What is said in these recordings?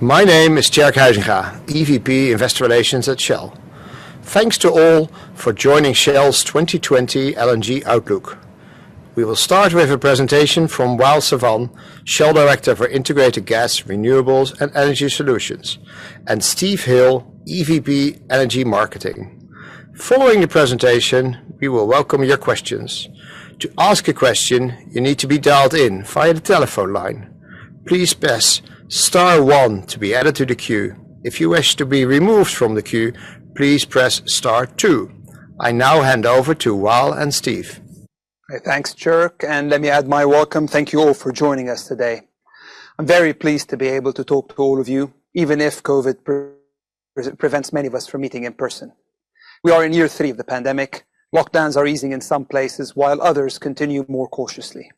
My name is Tjerk Huysinga, EVP Investor Relations at Shell. Thanks to all for joining Shell's 2022 LNG Outlook. We will start with a presentation from Wael Sawan, Shell Director for Integrated Gas, Renewables and Energy Solutions, and Steve Hill, EVP Energy Marketing. Following the presentation, we will welcome your questions. To ask a question, you need to be dialed in via the telephone line. Please press star one to be added to the queue. If you wish to be removed from the queue, please press star two. I now hand over to Wael and Steve. Thanks, Tjerk, and let me add my welcome. Thank you all for joining us today. I'm very pleased to be able to talk to all of you, even if COVID prevents many of us from meeting in person. We are in year three of the pandemic. Lockdowns are easing in some places, while others continue more cautiously.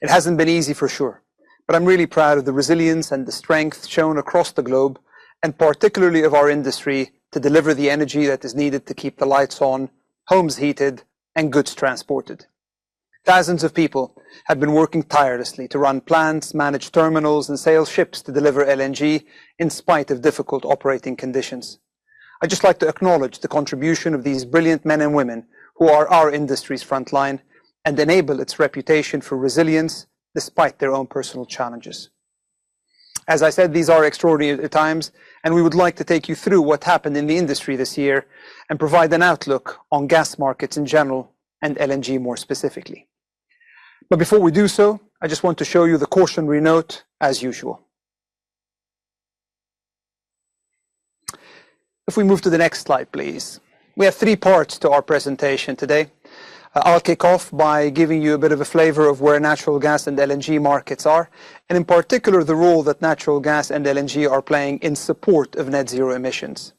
It hasn't been easy for sure, but I'm really proud of the resilience and the strength shown across the globe, and particularly of our industry, to deliver the energy that is needed to keep the lights on, homes heated, and goods transported. Thousands of people have been working tirelessly to run plants, manage terminals, and sail ships to deliver LNG in spite of difficult operating conditions. I'd just like to acknowledge the contribution of these brilliant men and women who are our industry's frontline and enable its reputation for resilience despite their own personal challenges. As I said, these are extraordinary times, and we would like to take you through what's happened in the industry this year and provide an outlook on gas markets in general and LNG more specifically. Before we do so, I just want to show you the cautionary note as usual. If we move to the next slide, please. We have three parts to our presentation today. I'll kick off by giving you a bit of a flavor of where natural gas and LNG markets are, and in particular, the role that natural gas and LNG are playing in support of net zero emissions.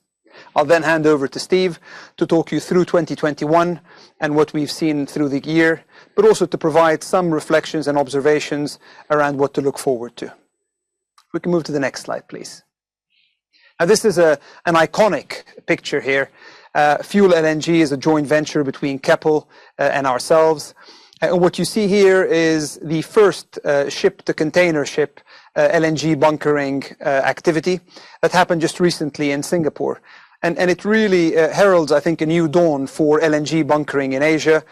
I'll then hand over to Steve to talk you through 2021 and what we've seen through the year, but also to provide some reflections and observations around what to look forward to. We can move to the next slide, please. Now, this is an iconic picture here. FueLNG is a joint venture between Keppel and ourselves. What you see here is the first ship-to-container ship LNG bunkering activity that happened just recently in Singapore. It really heralds, I think, a new dawn for LNG bunkering in Asia,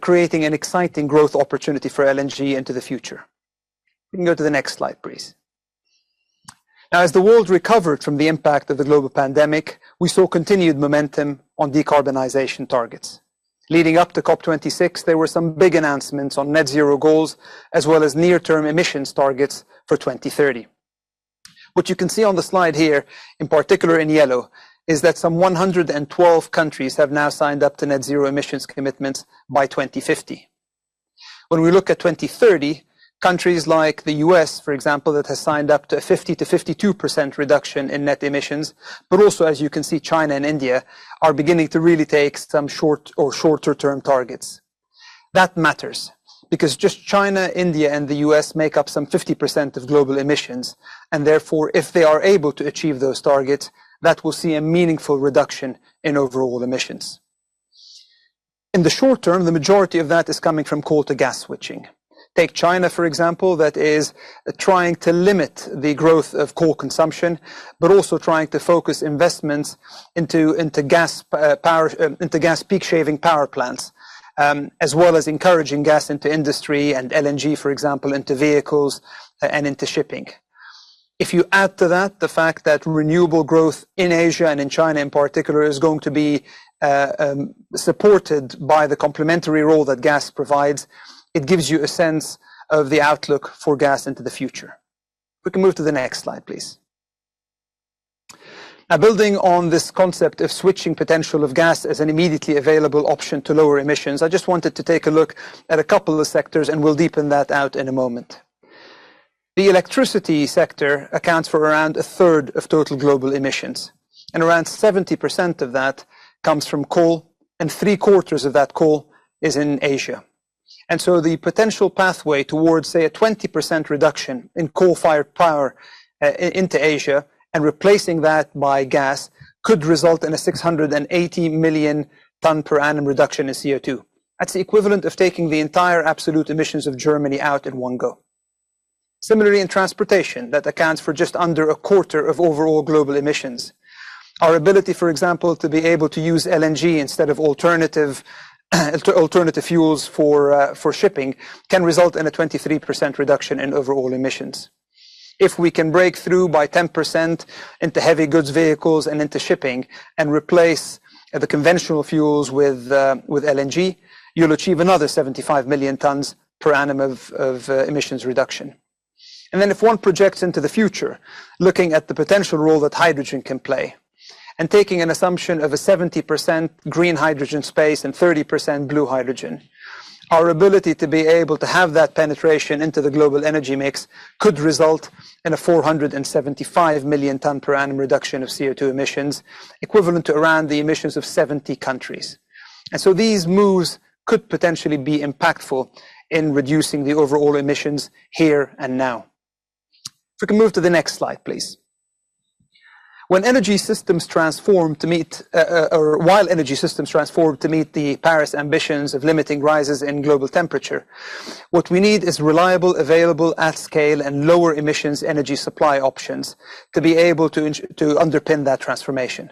creating an exciting growth opportunity for LNG into the future. We can go to the next slide, please. Now, as the world recovered from the impact of the global pandemic, we saw continued momentum on decarbonization targets. Leading up to COP26, there were some big announcements on net zero goals as well as near-term emissions targets for 2030. What you can see on the slide here, in particular in yellow, is that some 112 countries have now signed up to net zero emissions commitments by 2050. When we look at 2030, countries like the U.S., for example, that has signed up to a 50%-52% reduction in net emissions. Also, as you can see, China and India are beginning to really take some short or shorter-term targets. That matters because just China, India, and the U.S. make up some 50% of global emissions. Therefore, if they are able to achieve those targets, that will see a meaningful reduction in overall emissions. In the short term, the majority of that is coming from coal to gas switching. Take China, for example, that is trying to limit the growth of coal consumption, but also trying to focus investments into gas peak shaving power plants, as well as encouraging gas into industry and LNG, for example, into vehicles and into shipping. If you add to that the fact that renewable growth in Asia and in China in particular is going to be supported by the complementary role that gas provides, it gives you a sense of the outlook for gas into the future. We can move to the next slide, please. Now, building on this concept of switching potential of gas as an immediately available option to lower emissions, I just wanted to take a look at a couple of sectors, and we'll deepen that out in a moment. The electricity sector accounts for around a third of total global emissions, and around 70% of that comes from coal, and three-quarters of that coal is in Asia. The potential pathway towards, say, a 20% reduction in coal-fired power into Asia and replacing that by gas could result in a 680 million tons per annum reduction in CO2. That's the equivalent of taking the entire absolute emissions of Germany out in one go. Similarly, in transportation, that accounts for just under a quarter of overall global emissions. Our ability, for example, to be able to use LNG instead of alternative fuels for shipping can result in a 23% reduction in overall emissions. If we can break through by 10% into heavy goods vehicles and into shipping and replace the conventional fuels with LNG, you'll achieve another 75 million tons per annum of emissions reduction. Then if one projects into the future, looking at the potential role that hydrogen can play and taking an assumption of a 70% green hydrogen space and 30% blue hydrogen, our ability to be able to have that penetration into the global energy mix could result in a 475 million ton per annum reduction of CO2 emissions, equivalent to around the emissions of 70 countries. These moves could potentially be impactful in reducing the overall emissions here and now. If we can move to the next slide, please. When energy systems transform to meet, or while energy systems transform to meet the Paris ambitions of limiting rises in global temperature, what we need is reliable, available, at scale, and lower emissions energy supply options to be able to underpin that transformation.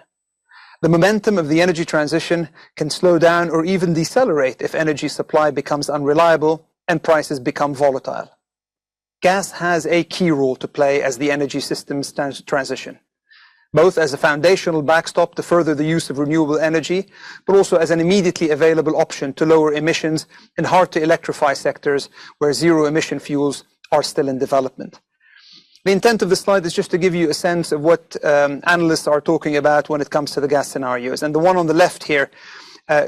The momentum of the energy transition can slow down or even decelerate if energy supply becomes unreliable and prices become volatile. Gas has a key role to play as the energy systems transition, both as a foundational backstop to further the use of renewable energy, but also as an immediately available option to lower emissions in hard-to-electrify sectors where zero-emission fuels are still in development. The intent of this slide is just to give you a sense of what analysts are talking about when it comes to the gas scenarios, and the one on the left here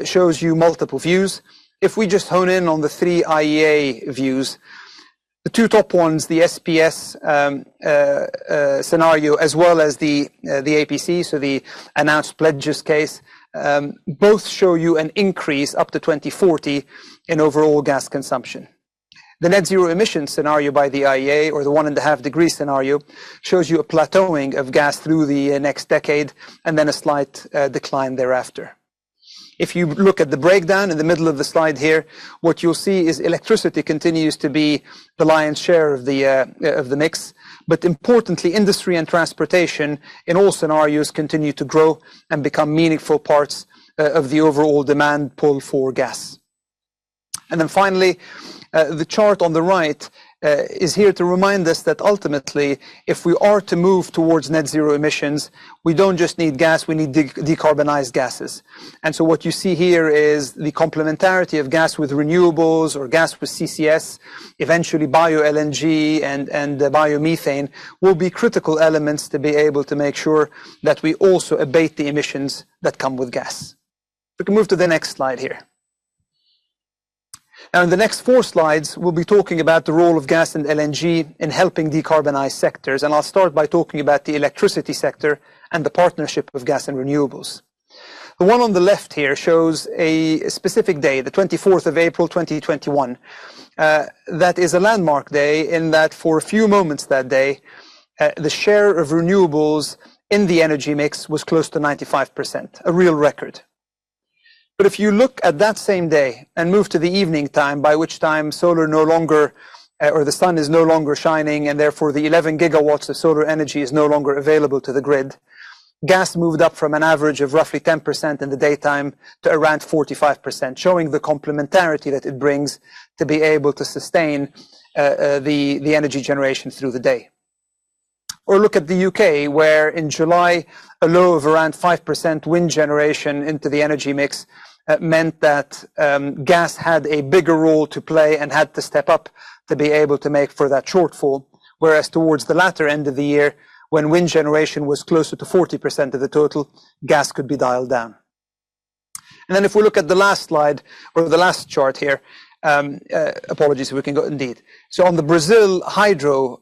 shows you multiple views. If we just hone in on the three IEA views, the two top ones, the STEPS scenario, as well as the APS, so the announced pledges case, both show you an increase up to 2040 in overall gas consumption. The net zero emissions scenario by the IEA, or the 1.5 degree scenario, shows you a plateauing of gas through the next decade and then a slight decline thereafter. If you look at the breakdown in the middle of the slide here, what you'll see is electricity continues to be the lion's share of the mix. Importantly, industry and transportation in all scenarios continue to grow and become meaningful parts of the overall demand pull for gas. Then finally, the chart on the right is here to remind us that ultimately, if we are to move towards net zero emissions, we don't just need gas, we need decarbonized gases. What you see here is the complementarity of gas with renewables or gas with CCS. Eventually, bioLNG and biomethane will be critical elements to be able to make sure that we also abate the emissions that come with gas. We can move to the next slide here. Now in the next four slides, we'll be talking about the role of gas and LNG in helping decarbonize sectors, and I'll start by talking about the electricity sector and the partnership of gas and renewables. The one on the left here shows a specific day, the 24th of April, 2021. That is a landmark day in that for a few moments that day, the share of renewables in the energy mix was close to 95%, a real record. If you look at that same day and move to the evening time, by which time the sun is no longer shining, and therefore the 11 GW of solar energy is no longer available to the grid, gas moved up from an average of roughly 10% in the daytime to around 45%, showing the complementarity that it brings to be able to sustain the energy generation through the day. Look at the U.K., where in July, a low of around 5% wind generation into the energy mix meant that gas had a bigger role to play and had to step up to be able to make for that shortfall. Whereas towards the latter end of the year, when wind generation was closer to 40% of the total, gas could be dialed down. If we look at the last slide or the last chart here, apologies, we can go indeed. On the Brazil hydro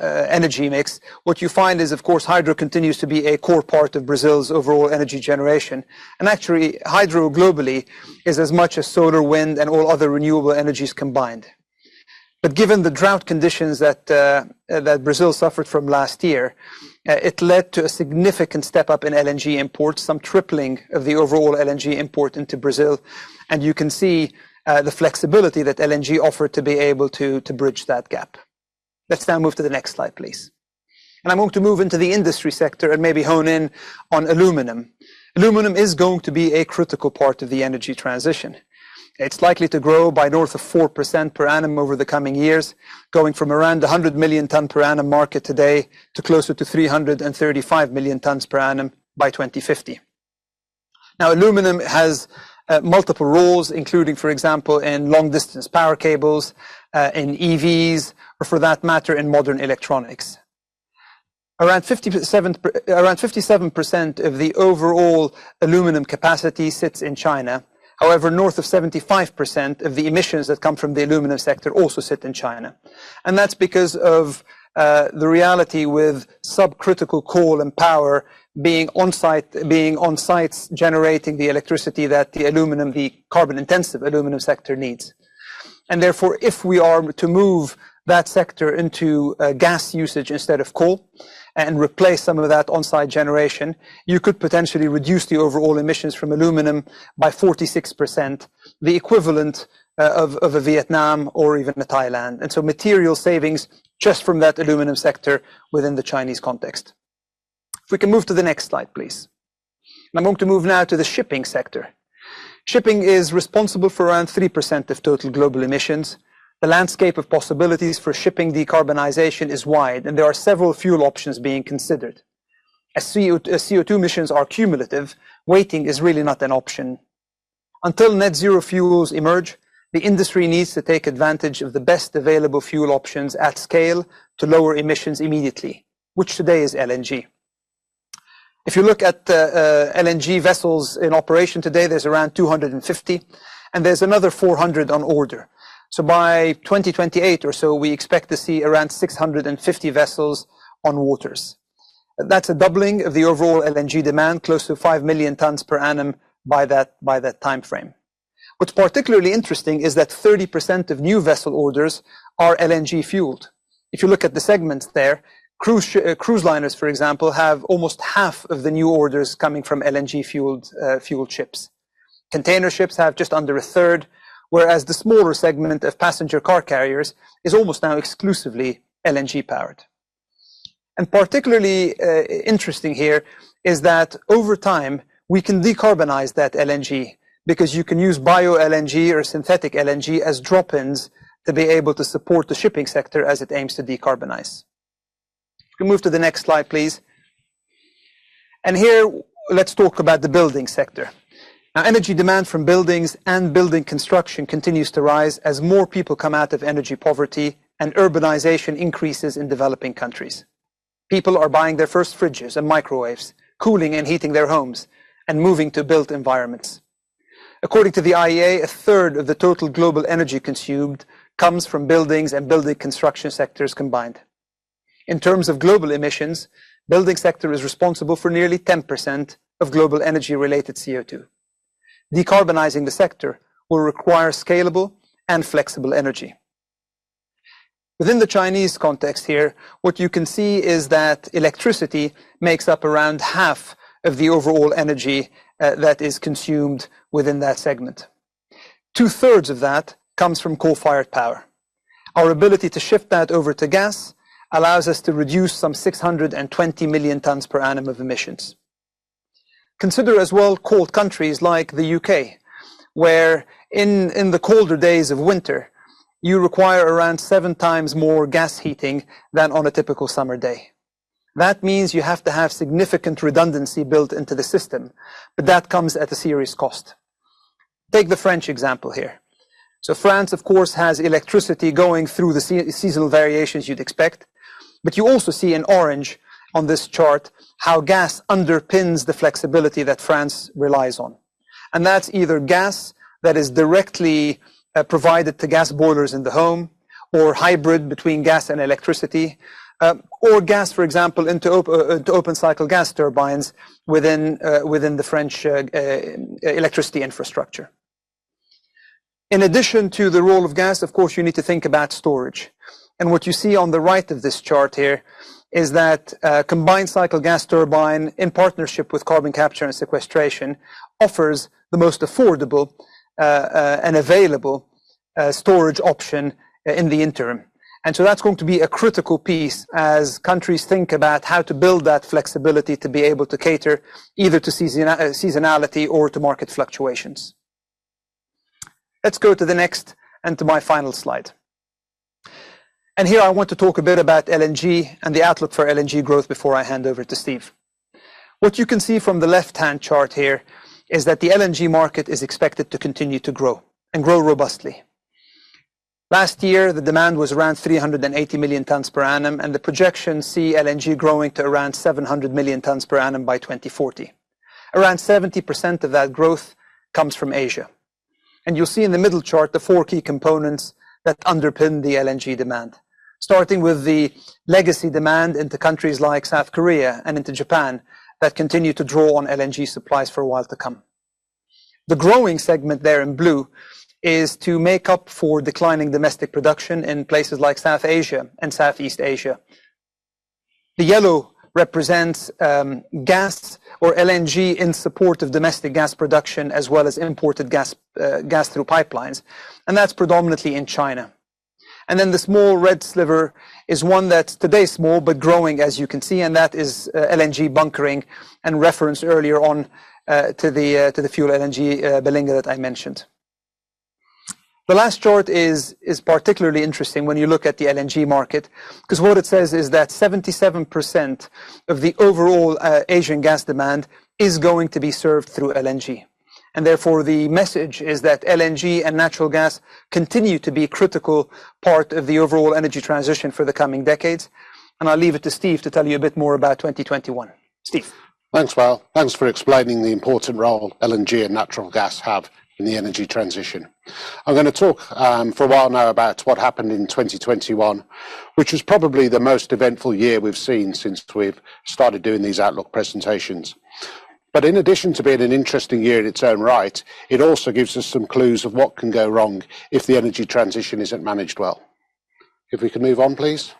energy mix, what you find is, of course, hydro continues to be a core part of Brazil's overall energy generation. Actually, hydro globally is as much as solar, wind, and all other renewable energies combined. Given the drought conditions that Brazil suffered from last year, it led to a significant step-up in LNG imports, some tripling of the overall LNG import into Brazil. You can see the flexibility that LNG offered to be able to bridge that gap. Let's now move to the next slide, please. I want to move into the industry sector and maybe hone in on aluminum. Aluminum is going to be a critical part of the energy transition. It's likely to grow by north of 4% per annum over the coming years, going from around 100 million tons per annum market today to closer to 335 million tons per annum by 2050. Now, aluminum has multiple roles, including, for example, in long-distance power cables, in EVs, or for that matter, in modern electronics. Around 57% of the overall aluminum capacity sits in China. However, north of 75% of the emissions that come from the aluminum sector also sit in China. That's because of the reality with subcritical coal and power being on-site generating the electricity that the aluminum, the carbon-intensive aluminum sector needs. Therefore, if we are to move that sector into gas usage instead of coal and replace some of that on-site generation, you could potentially reduce the overall emissions from aluminum by 46%, the equivalent of a Vietnam or even a Thailand. Material savings just from that aluminum sector within the Chinese context. If we can move to the next slide, please. I'm going to move now to the shipping sector. Shipping is responsible for around 3% of total global emissions. The landscape of possibilities for shipping decarbonization is wide, and there are several fuel options being considered. As CO2 emissions are cumulative, waiting is really not an option. Until net zero fuels emerge, the industry needs to take advantage of the best available fuel options at scale to lower emissions immediately, which today is LNG. If you look at LNG vessels in operation today, there's around 250, and there's another 400 on order. So by 2028 or so, we expect to see around 650 vessels on waters. That's a doubling of the overall LNG demand, close to 5 million tons per annum by that timeframe. What's particularly interesting is that 30% of new vessel orders are LNG-fueled. If you look at the segments there, cruise liners, for example, have almost half of the new orders coming from LNG-fueled ships. Container ships have just under a third, whereas the smaller segment of passenger car carriers is almost now exclusively LNG-powered. Particularly interesting here is that over time, we can decarbonize that LNG because you can use bioLNG or synthetic LNG as drop-ins to be able to support the shipping sector as it aims to decarbonize. If you move to the next slide, please. Here, let's talk about the building sector. Now, energy demand from buildings and building construction continues to rise as more people come out of energy poverty and urbanization increases in developing countries. People are buying their first fridges and microwaves, cooling and heating their homes, and moving to built environments. According to the IEA, a third of the total global energy consumed comes from buildings and building construction sectors combined. In terms of global emissions, building sector is responsible for nearly 10% of global energy-related CO₂. Decarbonizing the sector will require scalable and flexible energy. Within the Chinese context here, what you can see is that electricity makes up around half of the overall energy that is consumed within that segment. Two-thirds of that comes from coal-fired power. Our ability to shift that over to gas allows us to reduce some 620 million tons per annum of emissions. Consider as well cold countries like the U.K., where in the colder days of winter, you require around 7 times more gas heating than on a typical summer day. That means you have to have significant redundancy built into the system, but that comes at a serious cost. Take the French example here. France, of course, has electricity going through the seasonal variations you'd expect, but you also see in orange on this chart how gas underpins the flexibility that France relies on. That's either gas that is directly provided to gas boilers in the home or hybrid between gas and electricity, or gas, for example, into open cycle gas turbines within the French electricity infrastructure. In addition to the role of gas, of course, you need to think about storage. What you see on the right of this chart here is that combined cycle gas turbine in partnership with carbon capture and sequestration offers the most affordable and available storage option in the interim. That's going to be a critical piece as countries think about how to build that flexibility to be able to cater either to seasonality or to market fluctuations. Let's go to the next and to my final slide. Here I want to talk a bit about LNG and the outlook for LNG growth before I hand over to Steve. What you can see from the left-hand chart here is that the LNG market is expected to continue to grow and grow robustly. Last year, the demand was around 380 million tons per annum, and the projections see LNG growing to around 700 million tons per annum by 2040. Around 70% of that growth comes from Asia. You'll see in the middle chart the four key components that underpin the LNG demand, starting with the legacy demand into countries like South Korea and into Japan that continue to draw on LNG supplies for a while to come. The growing segment there in blue is to make up for declining domestic production in places like South Asia and Southeast Asia. The yellow represents gas or LNG in support of domestic gas production as well as imported gas through pipelines, and that's predominantly in China. The small red sliver is one that's today small but growing, as you can see, and that is LNG bunkering and referenced earlier on to the FueLNG bunkering that I mentioned. The last chart is particularly interesting when you look at the LNG market 'cause what it says is that 77% of the overall Asian gas demand is going to be served through LNG. Therefore, the message is that LNG and natural gas continue to be a critical part of the overall energy transition for the coming decades. I'll leave it to Steve to tell you a bit more about 2021. Steve. Thanks, Wael Sawan. Thanks for explaining the important role LNG and natural gas have in the energy transition. I'm gonna talk for a while now about what happened in 2021, which was probably the most eventful year we've seen since we've started doing these outlook presentations. In addition to being an interesting year in its own right, it also gives us some clues of what can go wrong if the energy transition isn't managed well. If we can move on, please.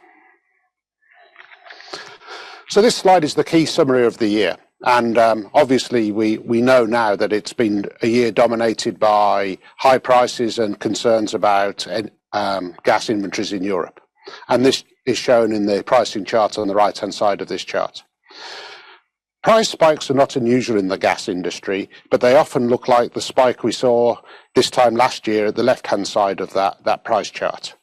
This slide is the key summary of the year. Obviously, we know now that it's been a year dominated by high prices and concerns about gas inventories in Europe. This is shown in the pricing chart on the right-hand side of this chart. Price spikes are not unusual in the gas industry, but they often look like the spike we saw this time last year at the left-hand side of that price chart.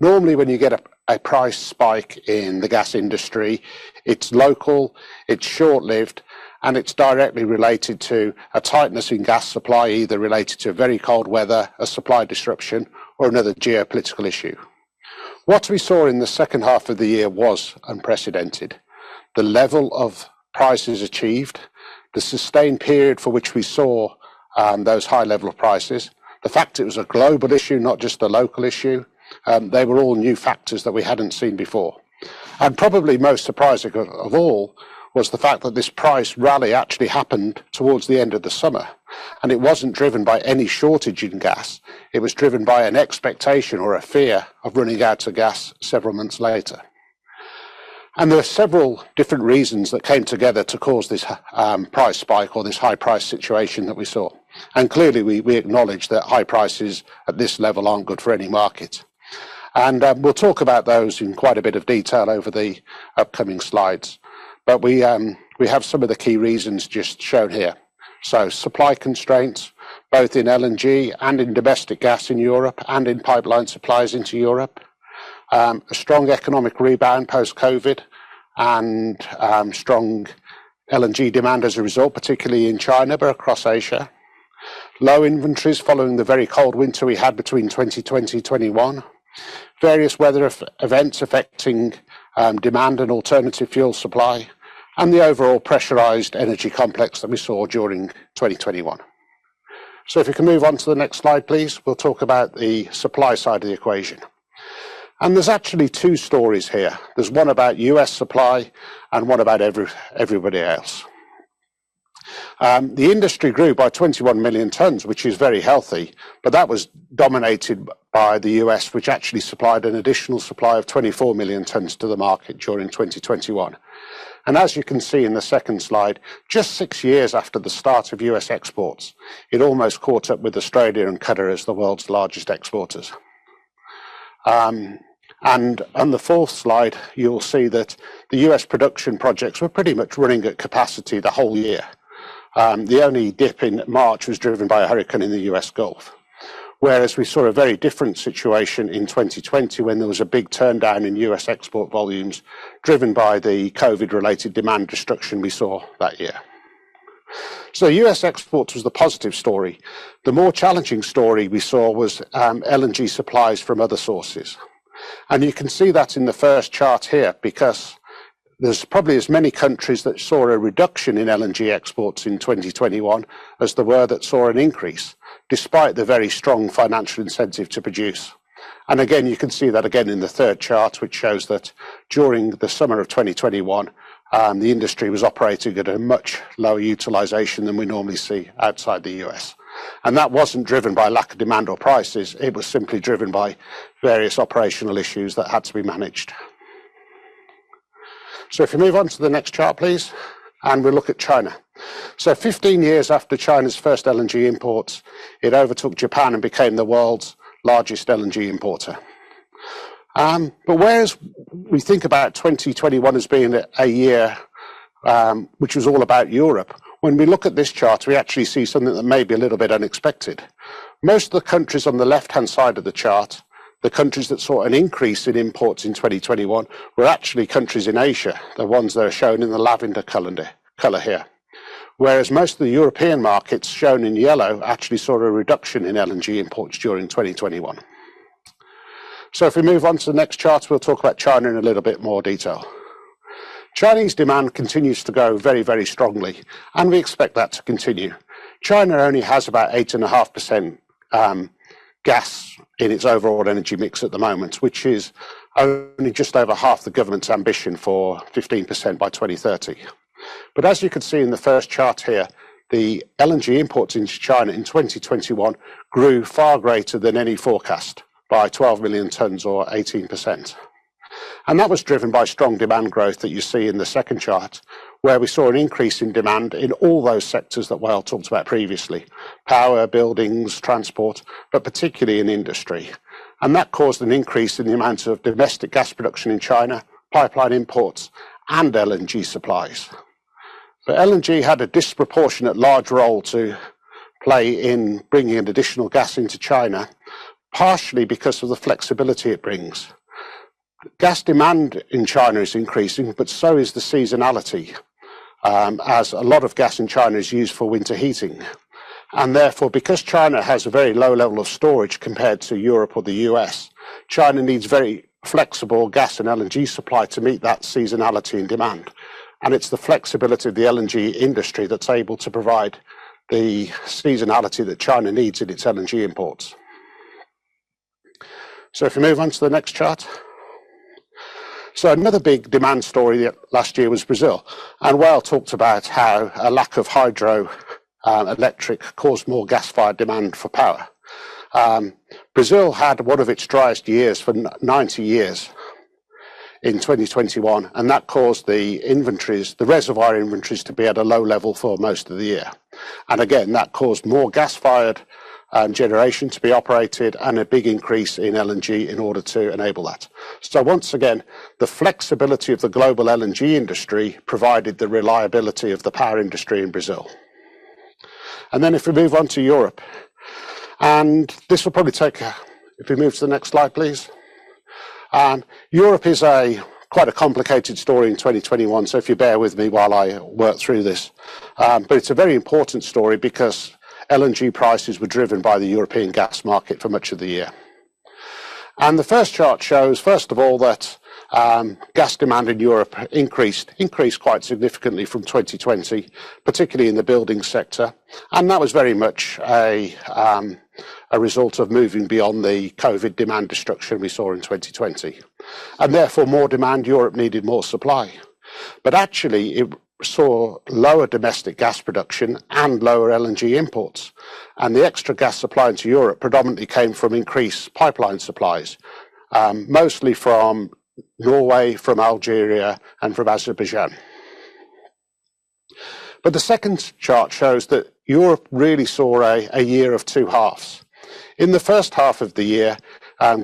Normally, when you get a price spike in the gas industry, it's local, it's short-lived, and it's directly related to a tightness in gas supply, either related to very cold weather, a supply disruption, or another geopolitical issue. What we saw in the second half of the year was unprecedented. The level of prices achieved, the sustained period for which we saw those high level of prices, the fact it was a global issue, not just a local issue, they were all new factors that we hadn't seen before. Probably most surprising of all was the fact that this price rally actually happened toward the end of the summer. It wasn't driven by any shortage in gas. It was driven by an expectation or a fear of running out of gas several months later. There are several different reasons that came together to cause this, price spike or this high price situation that we saw. Clearly, we acknowledge that high prices at this level aren't good for any market. We'll talk about those in quite a bit of detail over the upcoming slides. We have some of the key reasons just shown here. Supply constraints, both in LNG and in domestic gas in Europe and in pipeline supplies into Europe. A strong economic rebound post-COVID and strong LNG demand as a result, particularly in China, but across Asia. Low inventories following the very cold winter we had between 2020 and 2021. Various weather events affecting demand and alternative fuel supply, and the overall pressurized energy complex that we saw during 2021. If you can move on to the next slide, please, we'll talk about the supply side of the equation. There's actually two stories here. There's one about U.S. supply and one about everybody else. The industry grew by 21 million tons, which is very healthy, but that was dominated by the U.S., which actually supplied an additional supply of 24 million tons to the market during 2021. As you can see in the second slide, just six years after the start of U.S. exports, it almost caught up with Australia and Qatar as the world's largest exporters. On the fourth slide, you'll see that the U.S. production projects were pretty much running at capacity the whole year. The only dip in March was driven by a hurricane in the U.S. Gulf. Whereas we saw a very different situation in 2020 when there was a big turndown in U.S. export volumes driven by the COVID-related demand destruction we saw that year. U.S. exports was the positive story. The more challenging story we saw was LNG supplies from other sources. You can see that in the first chart here, because there's probably as many countries that saw a reduction in LNG exports in 2021 as there were that saw an increase despite the very strong financial incentive to produce. Again, you can see that again in the third chart, which shows that during the summer of 2021, the industry was operating at a much lower utilization than we normally see outside the U.S. That wasn't driven by lack of demand or prices. It was simply driven by various operational issues that had to be managed. If you move on to the next chart, please, and we look at China. 15 years after China's first LNG imports, it overtook Japan and became the world's largest LNG importer. Whereas we think about 2021 as being a year which was all about Europe, when we look at this chart, we actually see something that may be a little bit unexpected. Most of the countries on the left-hand side of the chart, the countries that saw an increase in imports in 2021, were actually countries in Asia, the ones that are shown in the lavender color here. Whereas most of the European markets shown in yellow actually saw a reduction in LNG imports during 2021. If we move on to the next chart, we'll talk about China in a little bit more detail. Chinese demand continues to grow very, very strongly, and we expect that to continue. China only has about 8.5% gas in its overall energy mix at the moment, which is only just over half the government's ambition for 15% by 2030. As you can see in the first chart here, the LNG imports into China in 2021 grew far greater than any forecast by 12 million tons or 18%. That was driven by strong demand growth that you see in the second chart, where we saw an increase in demand in all those sectors that Wael talked about previously, power, buildings, transport, but particularly in industry. That caused an increase in the amount of domestic gas production in China, pipeline imports, and LNG supplies. The LNG had a disproportionate large role to play in bringing in additional gas into China, partially because of the flexibility it brings. Gas demand in China is increasing, but so is the seasonality, as a lot of gas in China is used for winter heating. Therefore, because China has a very low level of storage compared to Europe or the U.S., China needs very flexible gas and LNG supply to meet that seasonality and demand. It's the flexibility of the LNG industry that's able to provide the seasonality that China needs in its LNG imports. If you move on to the next chart. Another big demand story last year was Brazil. Wael talked about how a lack of hydroelectric caused more gas-fired demand for power. Brazil had one of its driest years for 90 years in 2021, and that caused the inventories, the reservoir inventories to be at a low level for most of the year. Again, that caused more gas-fired generation to be operated and a big increase in LNG in order to enable that. Once again, the flexibility of the global LNG industry provided the reliability of the power industry in Brazil. Then if we move on to Europe, this will probably take. If we move to the next slide, please. Europe is quite a complicated story in 2021, so if you bear with me while I work through this. It's a very important story because LNG prices were driven by the European gas market for much of the year. The first chart shows, first of all, that gas demand in Europe increased quite significantly from 2020, particularly in the building sector. That was very much a result of moving beyond the COVID demand destruction we saw in 2020. Therefore, more demand, Europe needed more supply. Actually, it saw lower domestic gas production and lower LNG imports. The extra gas supply into Europe predominantly came from increased pipeline supplies, mostly from Norway, from Algeria, and from Azerbaijan. The second chart shows that Europe really saw a year of two halves. In the first half of the year,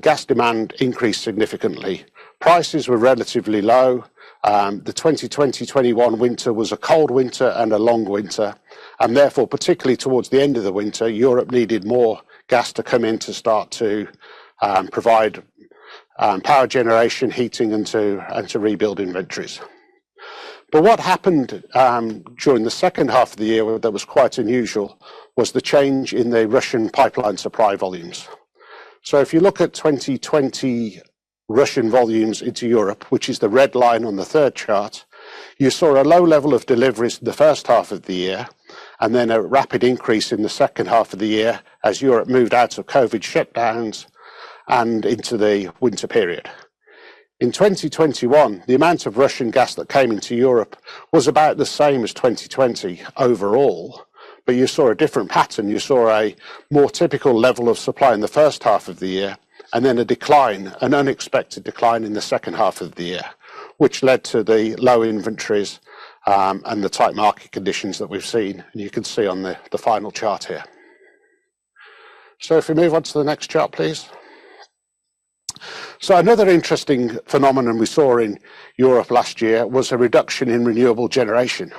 gas demand increased significantly. Prices were relatively low. The 2021 winter was a cold winter and a long winter, and therefore, particularly towards the end of the winter, Europe needed more gas to come in to provide power generation, heating, and to rebuild inventories. What happened during the second half of the year that was quite unusual was the change in the Russian pipeline supply volumes. If you look at 2020 Russian volumes into Europe, which is the red line on the third chart, you saw a low level of deliveries the first half of the year, and then a rapid increase in the second half of the year as Europe moved out of COVID shutdowns and into the winter period. In 2021, the amount of Russian gas that came into Europe was about the same as 2020 overall. You saw a different pattern. You saw a more typical level of supply in the first half of the year, and then a decline, an unexpected decline in the second half of the year, which led to the low inventories, and the tight market conditions that we've seen, and you can see on the final chart here. If we move on to the next chart, please. Another interesting phenomenon we saw in Europe last year was a reduction in renewable generation,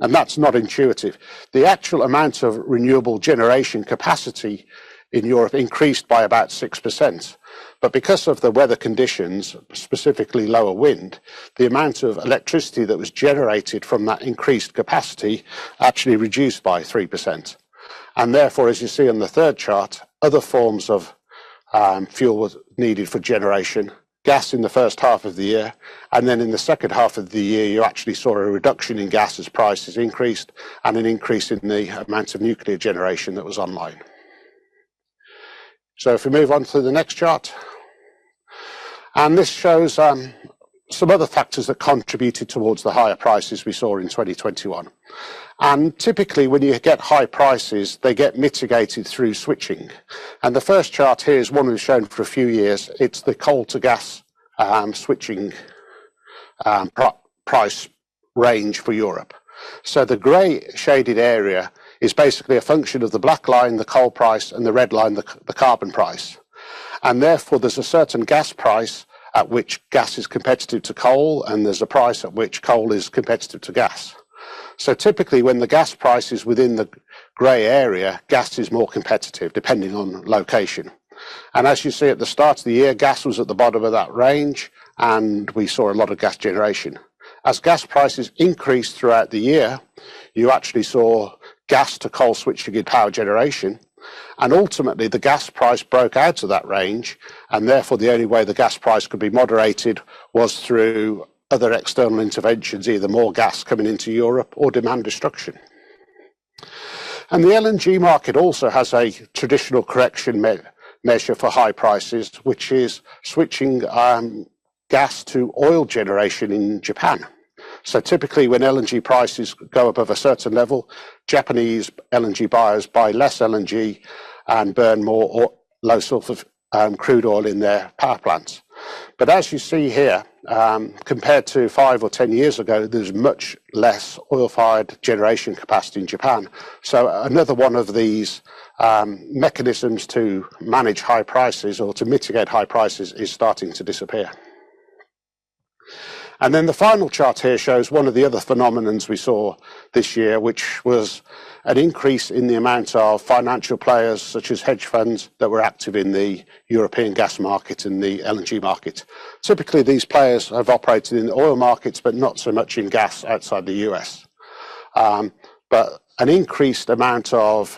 and that's not intuitive. The actual amount of renewable generation capacity in Europe increased by about 6%. Because of the weather conditions, specifically lower wind, the amount of electricity that was generated from that increased capacity actually reduced by 3%. Therefore, as you see on the third chart, other forms of fuel was needed for generation. Gas in the first half of the year, and then in the second half of the year, you actually saw a reduction in gas as prices increased and an increase in the amount of nuclear generation that was online. If we move on to the next chart. This shows some other factors that contributed towards the higher prices we saw in 2021. Typically, when you get high prices, they get mitigated through switching. The first chart here is one we've shown for a few years. It's the coal to gas switching price range for Europe. The gray shaded area is basically a function of the black line, the coal price, and the red line, the carbon price. Therefore, there's a certain gas price at which gas is competitive to coal, and there's a price at which coal is competitive to gas. Typically, when the gas price is within the gray area, gas is more competitive depending on location. As you see at the start of the year, gas was at the bottom of that range, and we saw a lot of gas generation. As gas prices increased throughout the year, you actually saw gas to coal switch to get power generation, and ultimately the gas price broke out of that range, and therefore, the only way the gas price could be moderated was through other external interventions, either more gas coming into Europe or demand destruction. The LNG market also has a traditional correction measure for high prices, which is switching, gas to oil generation in Japan. Typically, when LNG prices go above a certain level, Japanese LNG buyers buy less LNG and burn more low-sulfur crude oil in their power plants. As you see here, compared to five or 10 years ago, there's much less oil-fired generation capacity in Japan. Another one of these mechanisms to manage high prices or to mitigate high prices is starting to disappear. The final chart here shows one of the other phenomena we saw this year, which was an increase in the amount of financial players, such as hedge funds that were active in the European gas market and the LNG market. Typically, these players have operated in oil markets, but not so much in gas outside the U.S. An increased amount of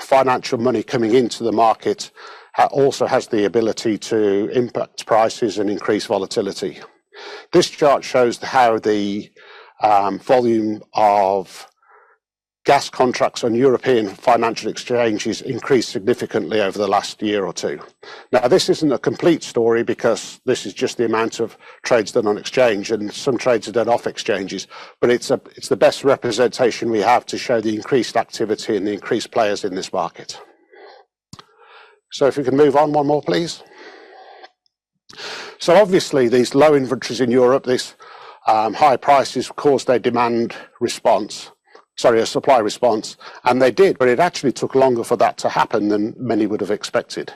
financial money coming into the market also has the ability to impact prices and increase volatility. This chart shows how the volume of gas contracts on European financial exchanges increased significantly over the last year or two. This isn't a complete story because this is just the amount of trades done on exchange, and some trades are done off exchanges, but it's the best representation we have to show the increased activity and the increased players in this market. If we can move on one more, please. Obviously, these low inventories in Europe, these high prices caused a demand response, sorry, a supply response, and they did, but it actually took longer for that to happen than many would have expected.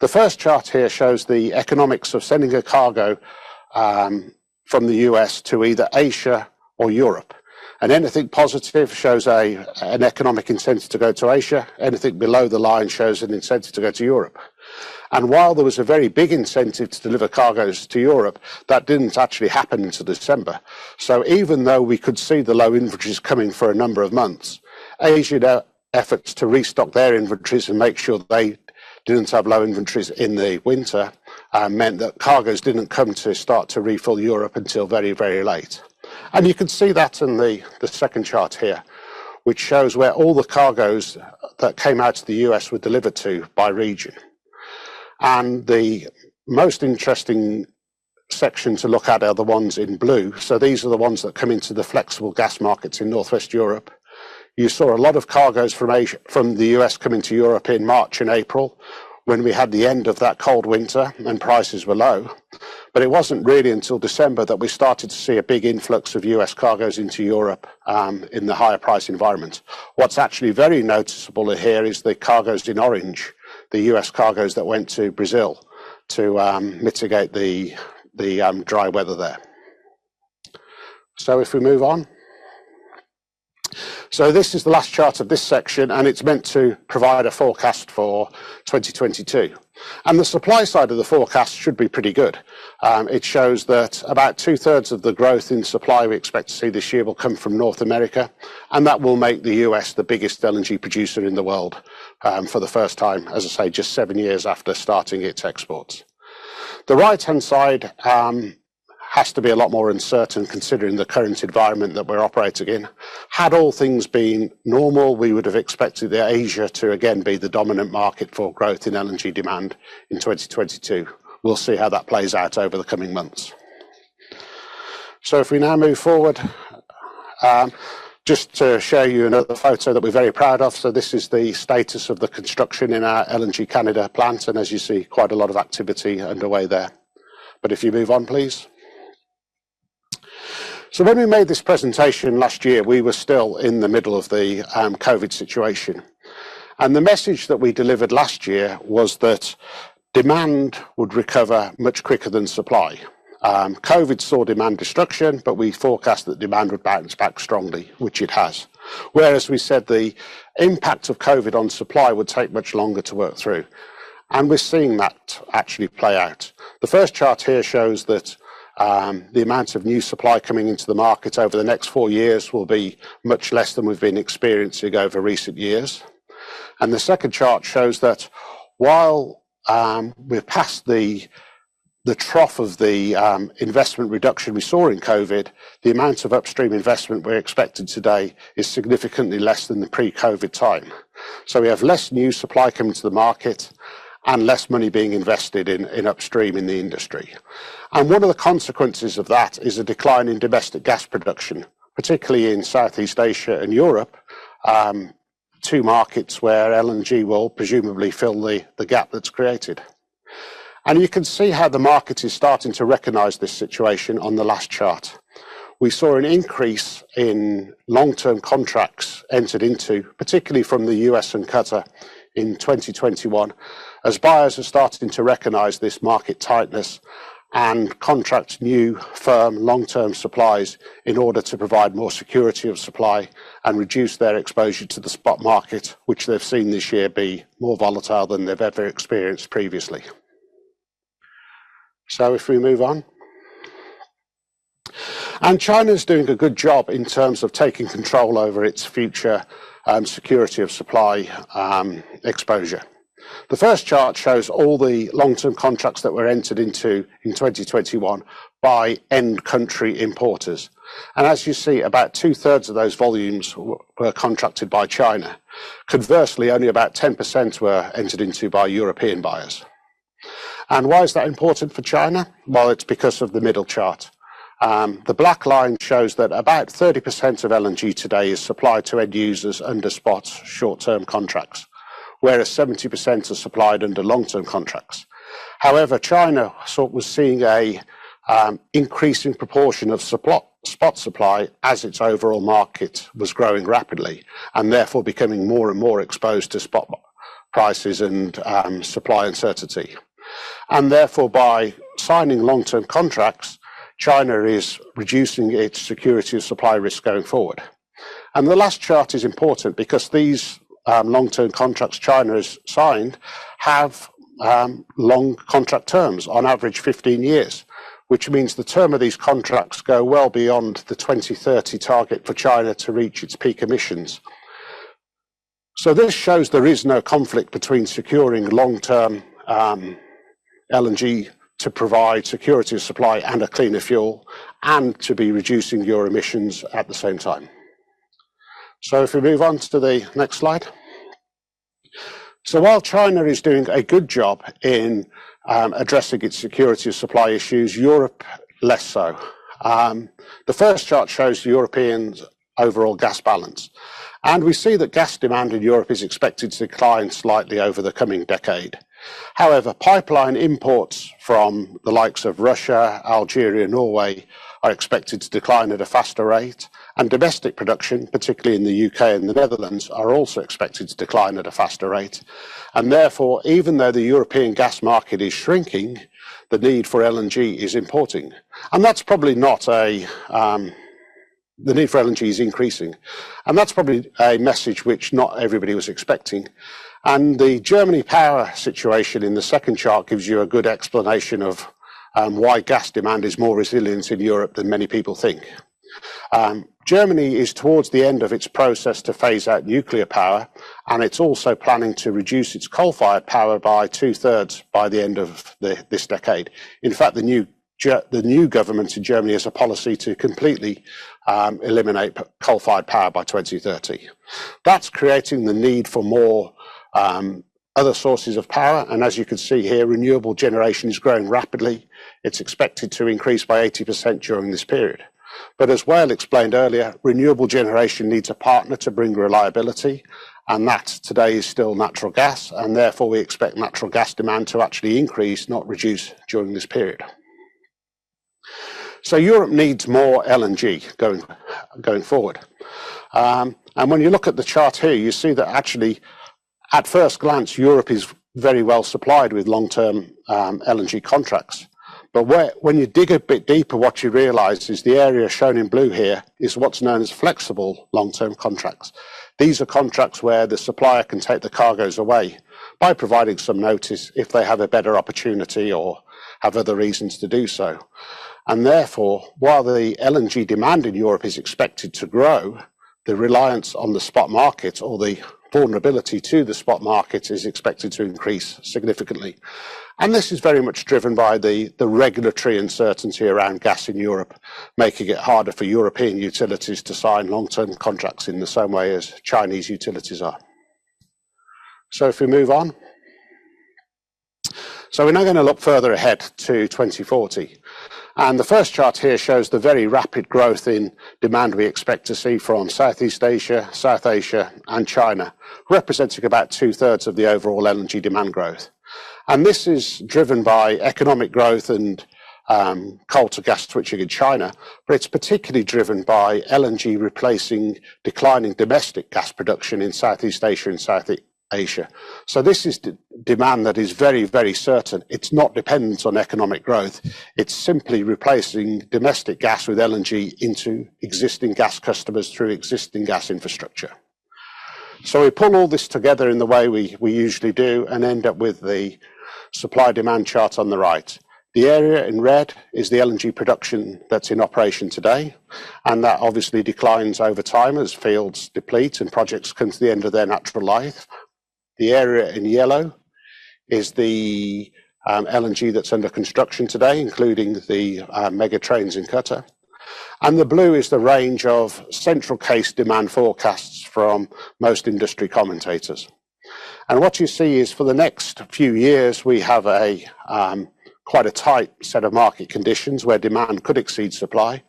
The first chart here shows the economics of sending a cargo from the U.S. to either Asia or Europe. Anything positive shows an economic incentive to go to Asia. Anything below the line shows an incentive to go to Europe. While there was a very big incentive to deliver cargoes to Europe, that didn't actually happen until December. Even though we could see the low inventories coming for a number of months, Asia's efforts to restock their inventories and make sure they didn't have low inventories in the winter meant that cargos didn't come to start to refill Europe until very, very late. You can see that in the second chart here, which shows where all the cargos that came out of the U.S. were delivered to by region. The most interesting section to look at are the ones in blue. These are the ones that come into the flexible gas markets in Northwest Europe. You saw a lot of cargos from the U.S. come into Europe in March and April when we had the end of that cold winter and prices were low. It wasn't really until December that we started to see a big influx of U.S. cargoes into Europe, in the higher price environment. What's actually very noticeable here is the cargoes in orange, the U.S. cargoes that went to Brazil to mitigate the dry weather there. If we move on. This is the last chart of this section, and it's meant to provide a forecast for 2022. The supply side of the forecast should be pretty good. It shows that about two-thirds of the growth in supply we expect to see this year will come from North America, and that will make the U.S. the biggest LNG producer in the world, for the first time, as I say, just 7 years after starting its exports. The right-hand side has to be a lot more uncertain considering the current environment that we're operating in. Had all things been normal, we would have expected that Asia to again be the dominant market for growth in LNG demand in 2022. We'll see how that plays out over the coming months. If we now move forward, just to show you another photo that we're very proud of. This is the status of the construction in our LNG Canada plant, and as you see, quite a lot of activity underway there. If you move on, please. When we made this presentation last year, we were still in the middle of the COVID situation. The message that we delivered last year was that demand would recover much quicker than supply. COVID saw demand destruction, but we forecast that demand would bounce back strongly, which it has. Whereas we said the impact of COVID on supply would take much longer to work through, and we're seeing that actually play out. The first chart here shows that the amount of new supply coming into the market over the next four years will be much less than we've been experiencing over recent years. The second chart shows that while we're past the trough of the investment reduction we saw in COVID, the amount of upstream investment we're expecting today is significantly less than the pre-COVID time. We have less new supply coming to the market and less money being invested in upstream in the industry. One of the consequences of that is a decline in domestic gas production, particularly in Southeast Asia and Europe, two markets where LNG will presumably fill the gap that's created. You can see how the market is starting to recognize this situation on the last chart. We saw an increase in long-term contracts entered into, particularly from the U.S. and Qatar in 2021, as buyers are starting to recognize this market tightness and contract new firm long-term supplies in order to provide more security of supply and reduce their exposure to the spot market which they've seen this year be more volatile than they've ever experienced previously. If we move on. China is doing a good job in terms of taking control over its future and security of supply, exposure. The first chart shows all the long-term contracts that were entered into in 2021 by end country importers. As you see, about two-thirds of those volumes were contracted by China. Conversely, only about 10% were entered into by European buyers. Why is that important for China? Well, it's because of the middle chart. The black line shows that about 30% of LNG today is supplied to end users under spot short-term contracts, whereas 70% are supplied under long-term contracts. However, China sort of was seeing an increase in proportion of spot supply as its overall market was growing rapidly and therefore becoming more and more exposed to spot prices and supply uncertainty. Therefore, by signing long-term contracts, China is reducing its security of supply risk going forward. The last chart is important because these long-term contracts China has signed have long contract terms on average 15 years, which means the term of these contracts go well beyond the 2030 target for China to reach its peak emissions. This shows there is no conflict between securing long-term LNG to provide security of supply and a cleaner fuel and to be reducing your emissions at the same time. If we move on to the next slide. While China is doing a good job in addressing its security supply issues, Europe less so. The first chart shows Europe's overall gas balance, and we see that gas demand in Europe is expected to decline slightly over the coming decade. However, pipeline imports from the likes of Russia, Algeria, Norway are expected to decline at a faster rate, and domestic production, particularly in the U.K. and the Netherlands, are also expected to decline at a faster rate. Therefore, even though the European gas market is shrinking, the need for LNG is increasing. That's probably a message which not everybody was expecting. The German power situation in the second chart gives you a good explanation of why gas demand is more resilient in Europe than many people think. Germany is towards the end of its process to phase out nuclear power, and it's also planning to reduce its coal-fired power by two-thirds by the end of this decade. In fact, the new government in Germany has a policy to completely eliminate coal-fired power by 2030. That's creating the need for more other sources of power, and as you can see here, renewable generation is growing rapidly. It's expected to increase by 80% during this period. As Wael explained earlier, renewable generation needs a partner to bring reliability, and that today is still natural gas, and therefore we expect natural gas demand to actually increase, not reduce, during this period. Europe needs more LNG going forward. And when you look at the chart here, you see that actually at first glance, Europe is very well supplied with long-term LNG contracts. When you dig a bit deeper, what you realize is the area shown in blue here is what's known as flexible long-term contracts. These are contracts where the supplier can take the cargoes away by providing some notice if they have a better opportunity or have other reasons to do so. Therefore, while the LNG demand in Europe is expected to grow, the reliance on the spot market or the vulnerability to the spot market is expected to increase significantly. This is very much driven by the regulatory uncertainty around gas in Europe, making it harder for European utilities to sign long-term contracts in the same way as Chinese utilities are. If we move on. We're now gonna look further ahead to 2040, and the first chart here shows the very rapid growth in demand we expect to see from Southeast Asia, South Asia, and China, representing about two-thirds of the overall LNG demand growth. This is driven by economic growth and coal to gas switching in China, but it's particularly driven by LNG replacing declining domestic gas production in Southeast Asia. This is demand that is very, very certain. It's not dependent on economic growth. It's simply replacing domestic gas with LNG into existing gas customers through existing gas infrastructure. We pull all this together in the way we usually do and end up with the supply demand chart on the right. The area in red is the LNG production that's in operation today, and that obviously declines over time as fields deplete and projects come to the end of their natural life. The area in yellow is the LNG that's under construction today, including the mega trains in Qatar. The blue is the range of central case demand forecasts from most industry commentators. What you see is for the next few years, we have a quite tight set of market conditions where demand could exceed supply.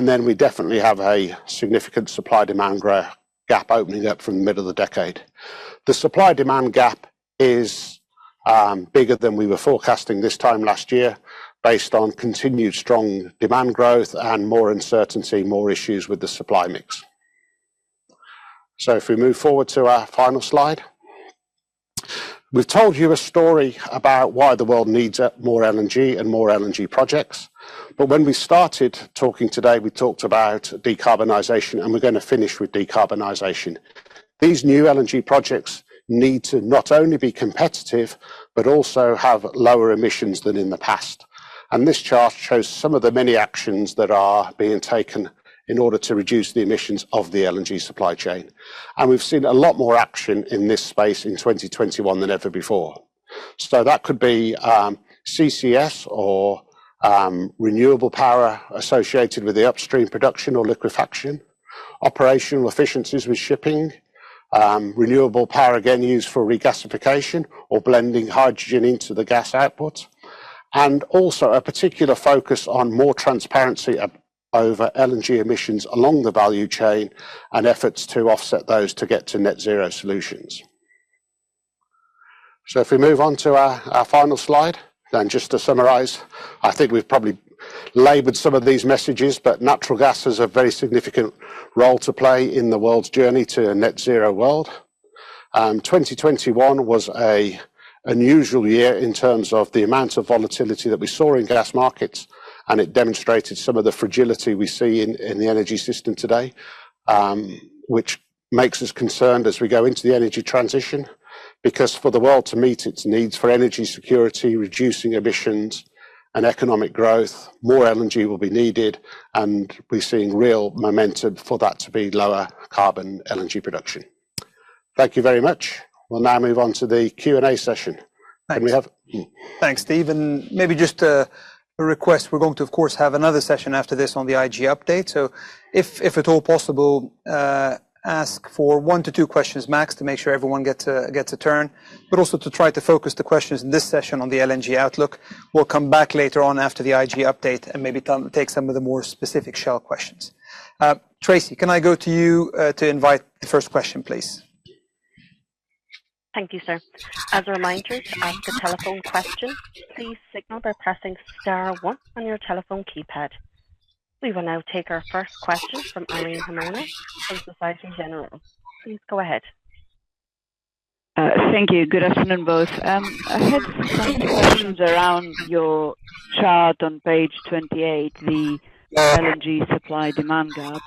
Then we definitely have a significant supply-demand gap opening up from the middle of the decade. The supply-demand gap is bigger than we were forecasting this time last year based on continued strong demand growth and more uncertainty, more issues with the supply mix. If we move forward to our final slide. We've told you a story about why the world needs more LNG and more LNG projects, but when we started talking today, we talked about decarbonization, and we're gonna finish with decarbonization. These new LNG projects need to not only be competitive but also have lower emissions than in the past. This chart shows some of the many actions that are being taken in order to reduce the emissions of the LNG supply chain. We've seen a lot more action in this space in 2021 than ever before. That could be CCS or renewable power associated with the upstream production or liquefaction, operational efficiencies with shipping, renewable power again used for regasification or blending hydrogen into the gas output, and also a particular focus on more transparency about LNG emissions along the value chain and efforts to offset those to get to net zero solutions. If we move on to our final slide, then just to summarize, I think we've probably labored some of these messages, but natural gas has a very significant role to play in the world's journey to a net zero world. 2021 was an unusual year in terms of the amount of volatility that we saw in gas markets, and it demonstrated some of the fragility we see in the energy system today, which makes us concerned as we go into the energy transition. Because for the world to meet its needs for energy security, reducing emissions, and economic growth, more LNG will be needed, and we're seeing real momentum for that to be lower carbon LNG production. Thank you very much. We'll now move on to the Q&A session. Can we have Thanks, Steve, and maybe just a request. We're going to, of course, have another session after this on the IG update. If at all possible, ask for one to two questions max to make sure everyone gets a turn, but also to try to focus the questions in this session on the LNG outlook. We'll come back later on after the IG update and maybe take some of the more specific Shell questions. Tracy, can I go to you to invite the first question, please? Thank you, sir. As a reminder, to ask a telephone question, please signal by pressing star one on your telephone keypad. We will now take our first question from Irene Himona of Société Générale. Please go ahead. Thank you. Good afternoon, both. I had some questions around your chart on page 28, the LNG supply demand gap.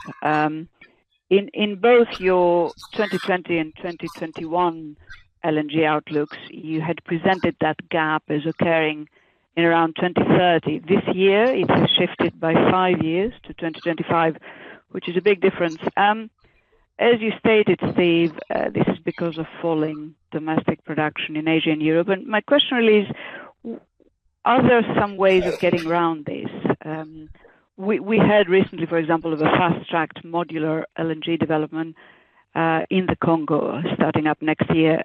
In both your 2020 and 2021 LNG outlooks, you had presented that gap as occurring in around 2030. This year, it has shifted by 5 years to 2025, which is a big difference. As you stated, Steve, this is because of falling domestic production in Asia and Europe. My question really is, are there some ways of getting around this? We heard recently, for example, of a fast-tracked modular LNG development in the Congo starting up next year.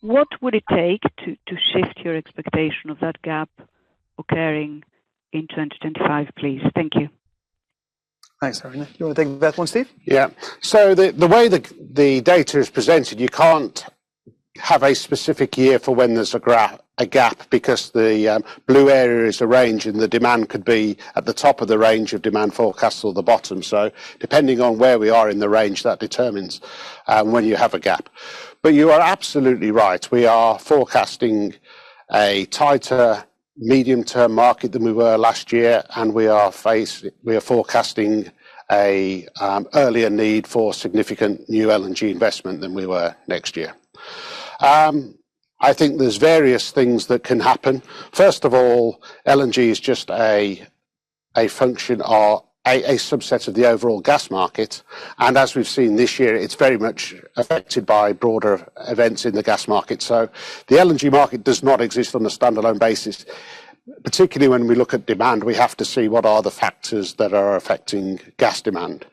What would it take to shift your expectation of that gap occurring in 2025, please? Thank you. Thanks, Irene. You wanna take that one, Steve? The way the data is presented, you can't have a specific year for when there's a gap because the blue area is a range, and the demand could be at the top of the range of demand forecast or the bottom. Depending on where we are in the range, that determines when you have a gap. You are absolutely right. We are forecasting a tighter medium-term market than we were last year, and we are forecasting a earlier need for significant new LNG investment than we were next year. I think there's various things that can happen. First of all, LNG is just a function or a subset of the overall gas market. As we've seen this year, it's very much affected by broader events in the gas market. The LNG market does not exist on a standalone basis. Particularly when we look at demand, we have to see what are the factors that are affecting gas demand.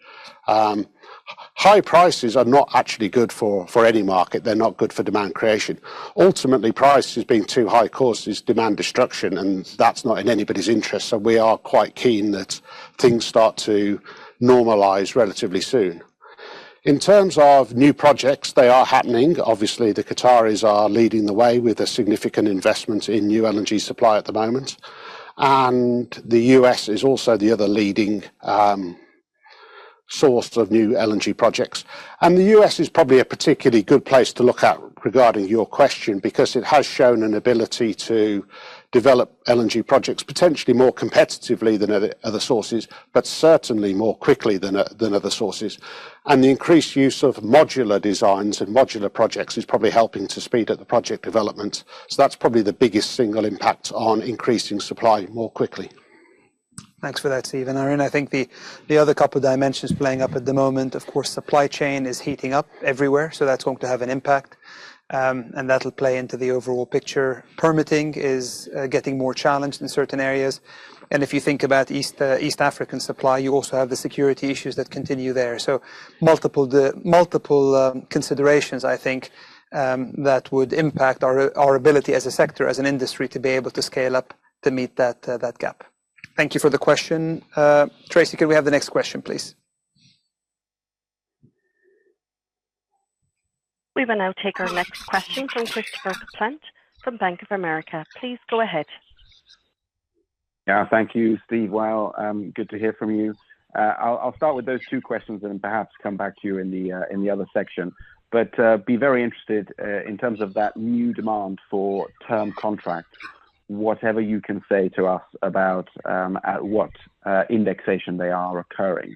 High prices are not actually good for any market. They're not good for demand creation. Ultimately, prices being too high causes demand destruction, and that's not in anybody's interest, so we are quite keen that things start to normalize relatively soon. In terms of new projects, they are happening. Obviously, the Qataris are leading the way with a significant investment in new energy supply at the moment. The U.S. is also the other leading source of new LNG projects. The U.S. is probably a particularly good place to look at regarding your question because it has shown an ability to develop LNG projects potentially more competitively than other sources, but certainly more quickly than other sources. The increased use of modular designs and modular projects is probably helping to speed up the project development. That's probably the biggest single impact on increasing supply more quickly. Thanks for that, Steve. I think the other couple dimensions playing up at the moment, of course, supply chain is heating up everywhere, so that's going to have an impact. That'll play into the overall picture. Permitting is getting more challenged in certain areas. If you think about East African supply, you also have the security issues that continue there. Multiple considerations, I think, that would impact our ability as a sector, as an industry to be able to scale up to meet that gap. Thank you for the question. Tracy, can we have the next question, please? We will now take our next question from Christopher Kuplent from Bank of America. Please go ahead. Yeah. Thank you, Steve. Well, good to hear from you. I'll start with those two questions and perhaps come back to you in the other section. I'll be very interested in terms of that new demand for term contracts, whatever you can say to us about at what indexation they are occurring.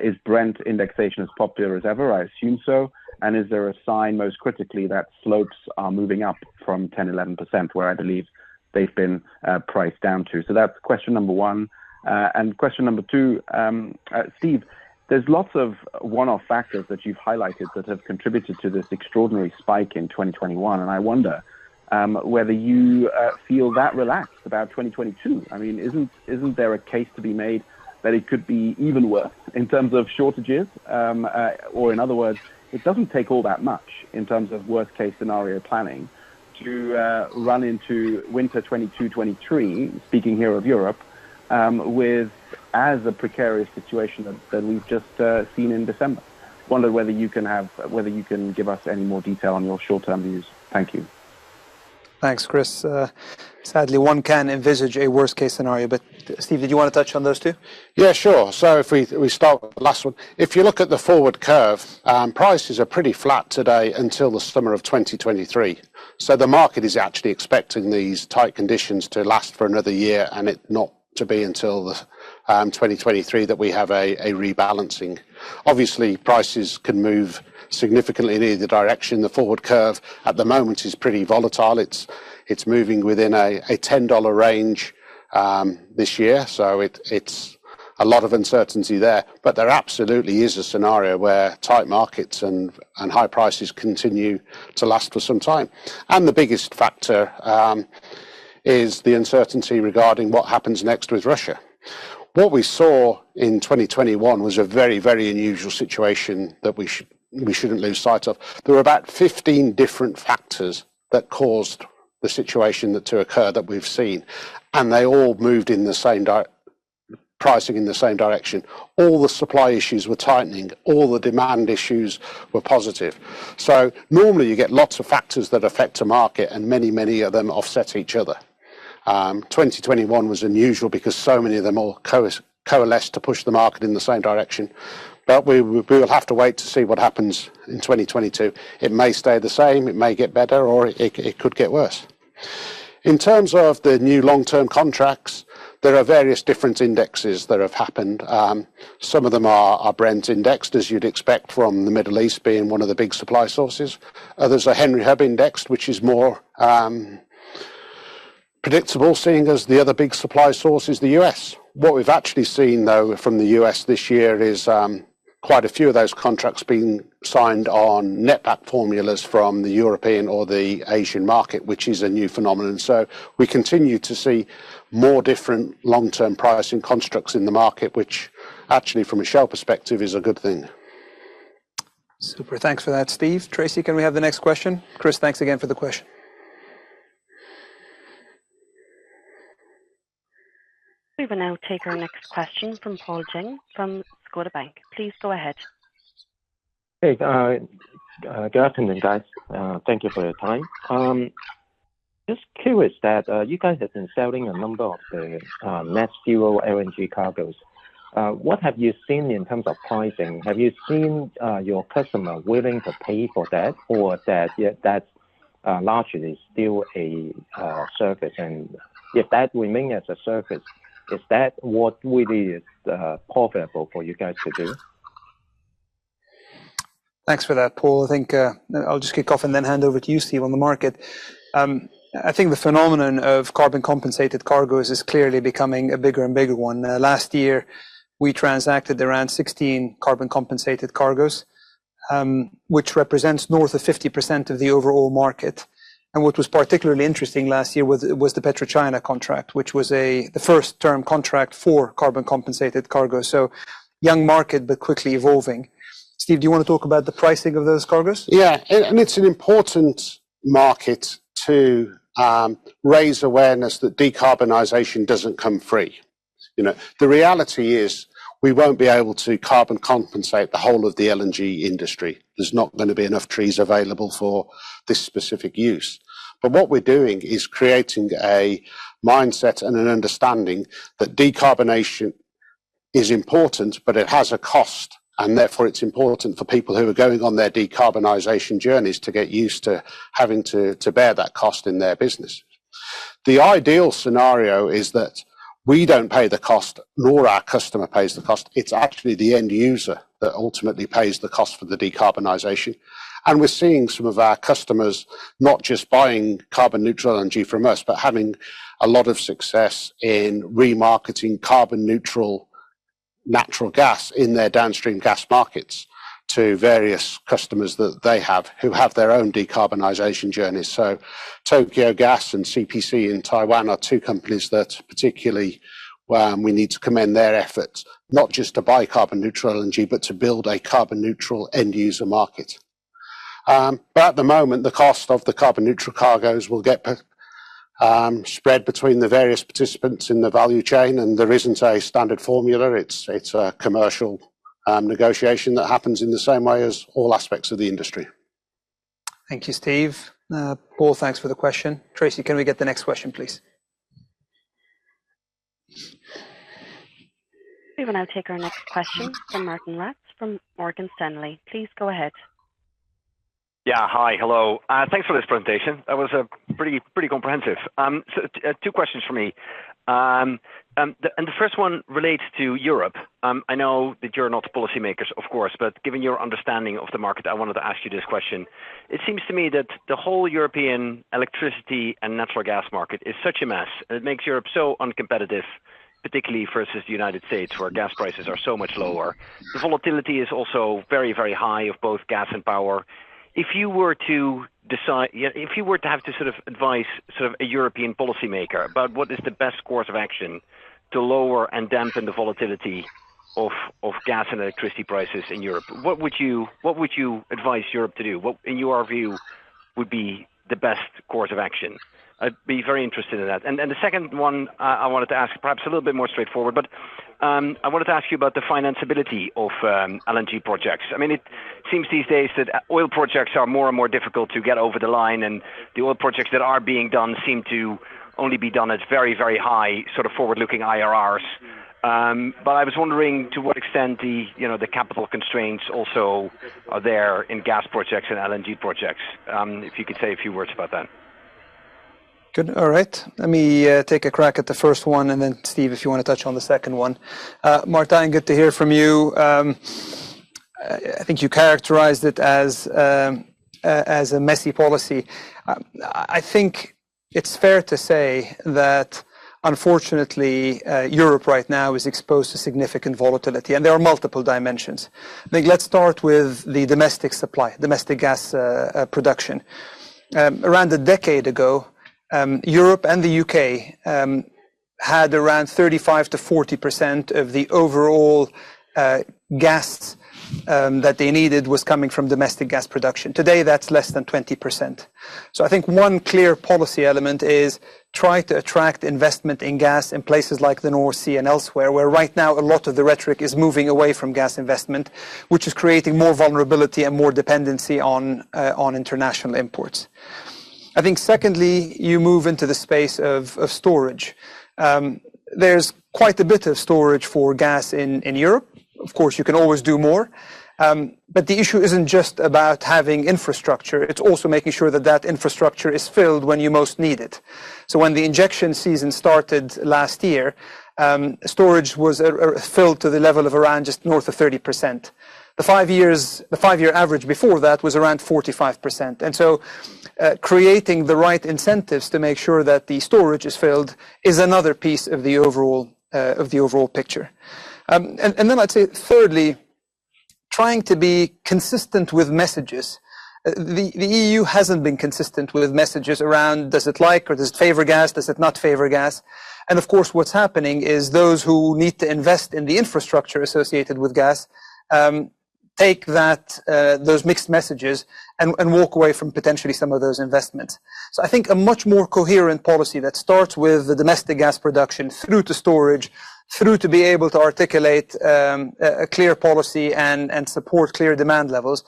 Is Brent indexation as popular as ever? I assume so. Is there a sign most critically that floats are moving up from 10%, 11%, where I believe they've been priced down to? That's question number one. Question number two, Steve, there's lots of one-off factors that you've highlighted that have contributed to this extraordinary spike in 2021, and I wonder whether you feel that relaxed about 2022. I mean, isn't there a case to be made that it could be even worse in terms of shortages? Or in other words, it doesn't take all that much in terms of worst case scenario planning to run into winter 2022-2023, speaking here of Europe, with as a precarious situation that we've just seen in December. I wonder whether you can give us any more detail on your short-term views. Thank you. Thanks, Chris. Sadly, one can envisage a worst-case scenario. Steve, did you wanna touch on those too? Yeah, sure. If we start with the last one. If you look at the forward curve, prices are pretty flat today until the summer of 2023. The market is actually expecting these tight conditions to last for another year and it not to be until the 2023 that we have a rebalancing. Obviously, prices can move significantly in either direction. The forward curve at the moment is pretty volatile. It's moving within a $10 range this year, so it's a lot of uncertainty there. But there absolutely is a scenario where tight markets and high prices continue to last for some time. The biggest factor is the uncertainty regarding what happens next with Russia. What we saw in 2021 was a very, very unusual situation that we shouldn't lose sight of. There were about 15 different factors that caused the situation to occur that we've seen, and they all moved in the same direction. Pricing in the same direction. All the supply issues were tightening, all the demand issues were positive. Normally you get lots of factors that affect a market, and many, many of them offset each other. 2021 was unusual because so many of them all coalesced to push the market in the same direction. We will have to wait to see what happens in 2022. It may stay the same, it may get better, or it could get worse. In terms of the new long-term contracts, there are various different indexes that have happened. Some of them are Brent indexed, as you'd expect from the Middle East being one of the big supply sources. Others are Henry Hub indexed, which is more predictable, seeing as the other big supply source is the U.S. What we've actually seen, though, from the U.S. this year is quite a few of those contracts being signed on netback formulas from the European or the Asian market, which is a new phenomenon. We continue to see more different long-term pricing constructs in the market, which actually from a Shell perspective, is a good thing. Super. Thanks for that, Steve. Tracy, can we have the next question? Chris, thanks again for the question. We will now take our next question from Paul Cheng from Scotiabank. Please go ahead. Hey, good afternoon, guys. Thank you for your time. Just curious that you guys have been selling a number of the net zero LNG cargos. What have you seen in terms of pricing? Have you seen your customer willing to pay for that or that, yeah, that's largely still a service? If that remains as a service, is that what really is profitable for you guys to do? Thanks for that, Paul. I think I'll just kick off and then hand over to you, Steve, on the market. I think the phenomenon of carbon compensated cargos is clearly becoming a bigger and bigger one. Last year, we transacted around 16 carbon compensated cargos, which represents north of 50% of the overall market. What was particularly interesting last year was the PetroChina contract, which was the first term contract for carbon compensated cargo. Young market, but quickly evolving. Steve, do you wanna talk about the pricing of those cargos? It's an important market to raise awareness that decarbonization doesn't come free. You know? The reality is we won't be able to carbon compensate the whole of the LNG industry. There's not gonna be enough trees available for this specific use. What we're doing is creating a mindset and an understanding that decarbonization is important, but it has a cost, and therefore it's important for people who are going on their decarbonization journeys to get used to having to bear that cost in their business. The ideal scenario is that we don't pay the cost, nor our customer pays the cost. It's actually the end user that ultimately pays the cost for the decarbonization. We're seeing some of our customers not just buying carbon neutral LNG from us, but having a lot of success in remarketing carbon neutral natural gas in their downstream gas markets to various customers that they have who have their own decarbonization journeys. Tokyo Gas and CPC in Taiwan are two companies that particularly we need to commend their efforts, not just to buy carbon neutral LNG, but to build a carbon neutral end user market. At the moment, the cost of the carbon neutral cargos will get spread between the various participants in the value chain, and there isn't a standard formula. It's a commercial negotiation that happens in the same way as all aspects of the industry. Thank you, Steve. Paul, thanks for the question. Tracy, can we get the next question, please? We will now take our next question from Martijn Rats from Morgan Stanley. Please go ahead. Yeah. Hi. Hello. Thanks for this presentation. That was pretty comprehensive. So, two questions from me. The first one relates to Europe. I know that you're not policymakers, of course, but given your understanding of the market, I wanted to ask you this question. It seems to me that the whole European electricity and natural gas market is such a mess, and it makes Europe so uncompetitive, particularly versus the United States, where gas prices are so much lower. The volatility is also very high of both gas and power. If you were to decide. Yeah, if you were to have to sort of advise sort of a European policymaker about what is the best course of action to lower and dampen the volatility of gas and electricity prices in Europe, what would you advise Europe to do? What in your view would be the best course of action? I'd be very interested in that. The second one I wanted to ask, perhaps a little bit more straightforward, but I wanted to ask you about the financeability of LNG projects. I mean, it seems these days that oil projects are more and more difficult to get over the line, and the oil projects that are being done seem to only be done at very, very high sort of forward-looking IRRs. I was wondering to what extent the, you know, the capital constraints also are there in gas projects and LNG projects. If you could say a few words about that. Good. All right. Let me take a crack at the first one, and then Steve, if you wanna touch on the second one. Martijn, good to hear from you. I think you characterized it as a messy policy. I think it's fair to say that unfortunately, Europe right now is exposed to significant volatility, and there are multiple dimensions. I think let's start with the domestic supply, domestic gas production. Around a decade ago, Europe and the U.K. had around 35%-40% of the overall gas that they needed was coming from domestic gas production. Today, that's less than 20%. I think one clear policy element is try to attract investment in gas in places like the North Sea and elsewhere, where right now a lot of the rhetoric is moving away from gas investment, which is creating more vulnerability and more dependency on international imports. I think secondly, you move into the space of storage. There's quite a bit of storage for gas in Europe. Of course, you can always do more. The issue isn't just about having infrastructure, it's also making sure that that infrastructure is filled when you most need it. When the injection season started last year, storage was filled to the level of around just north of 30%. The five-year average before that was around 45%. Creating the right incentives to make sure that the storage is filled is another piece of the overall picture. Then I'd say thirdly, trying to be consistent with messages. The EU hasn't been consistent with messages around, does it like or does it favor gas? Does it not favor gas? Of course, what's happening is those who need to invest in the infrastructure associated with gas take that, those mixed messages and walk away from potentially some of those investments. I think a much more coherent policy that starts with the domestic gas production through to storage, through to be able to articulate a clear policy and support clear demand levels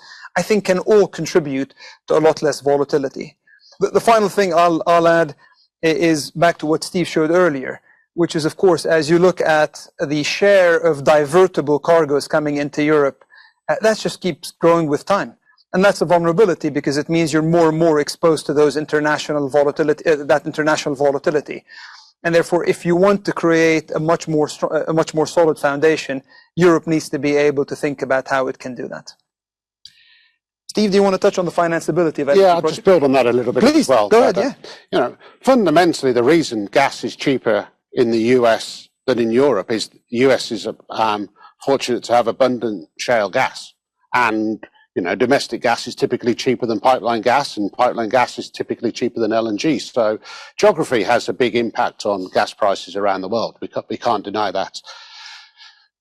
can all contribute to a lot less volatility. The final thing I'll add is back to what Steve showed earlier, which is, of course, as you look at the share of divertible cargos coming into Europe, that just keeps growing with time. That's a vulnerability because it means you're more and more exposed to that international volatility. Therefore, if you want to create a much more solid foundation, Europe needs to be able to think about how it can do that. Steve, do you wanna touch on the financeability of any- Yeah. I'll just build on that a little bit as well. Please, go ahead. Yeah. You know, fundamentally, the reason gas is cheaper in the U.S. than in Europe is that the U.S. is fortunate to have abundant shale gas. You know, domestic gas is typically cheaper than pipeline gas, and pipeline gas is typically cheaper than LNG. Geography has a big impact on gas prices around the world. We can't deny that.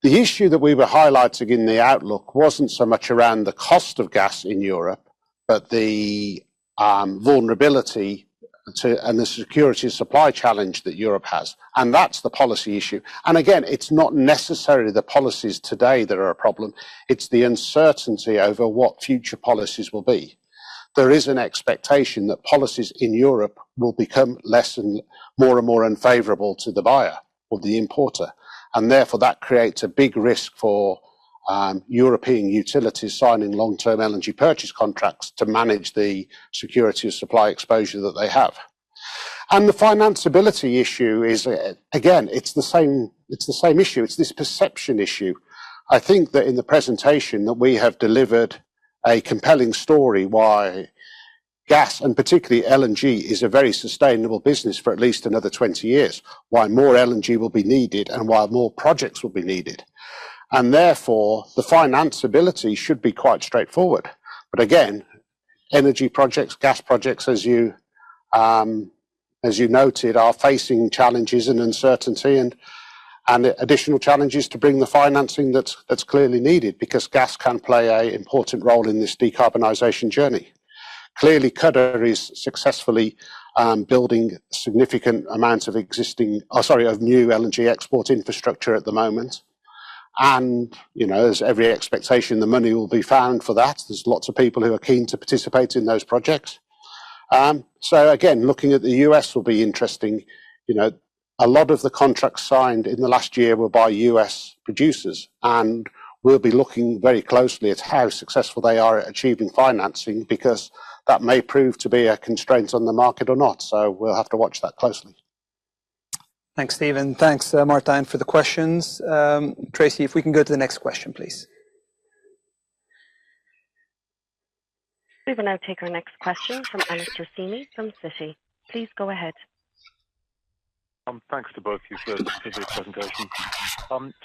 The issue that we were highlighting in the outlook wasn't so much around the cost of gas in Europe, but the vulnerability and the security of supply challenge that Europe has, and that's the policy issue. Again, it's not necessarily the policies today that are a problem, it's the uncertainty over what future policies will be. There is an expectation that policies in Europe will become more and more unfavorable to the buyer or the importer, and therefore that creates a big risk for European utilities signing long-term LNG purchase contracts to manage the security of supply exposure that they have. The financeability issue is, again, it's the same issue. It's this perception issue. I think that in the presentation that we have delivered a compelling story why gas, and particularly LNG, is a very sustainable business for at least another 20 years, why more LNG will be needed and why more projects will be needed. Therefore, the financeability should be quite straightforward. Again, energy projects, gas projects, as you noted, are facing challenges and uncertainty and additional challenges to bring the financing that's clearly needed because gas can play an important role in this decarbonization journey. Clearly, Qatar is successfully building significant amounts of new LNG export infrastructure at the moment. You know, there's every expectation the money will be found for that. There's lots of people who are keen to participate in those projects. Again, looking at the U.S. will be interesting. You know, a lot of the contracts signed in the last year were by U.S. producers, and we'll be looking very closely at how successful they are at achieving financing because that may prove to be a constraint on the market or not. We'll have to watch that closely. Thanks, Steve, and thanks, Martijn, for the questions. Tracy, if we can go to the next question, please. We will now take our next question from Alastair Syme from Citi. Please go ahead. Thanks to both you for your presentation.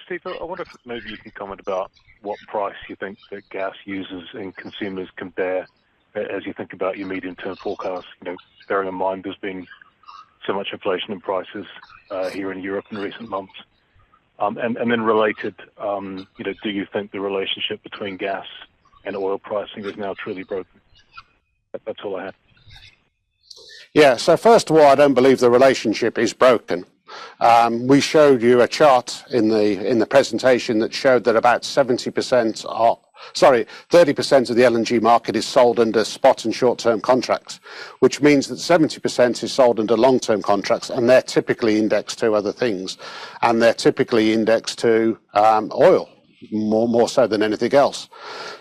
Steve, I wonder if maybe you can comment about what price you think that gas users and consumers can bear as you think about your medium-term forecast, you know, bearing in mind there's been so much inflation in prices here in Europe in recent months. Then related, you know, do you think the relationship between gas and oil pricing is now truly broken? That's all I have. Yeah. First of all, I don't believe the relationship is broken. We showed you a chart in the presentation that showed that 30% of the LNG market is sold under spot and short-term contracts, which means that 70% is sold under long-term contracts, and they're typically indexed to other things, and they're typically indexed to oil more so than anything else.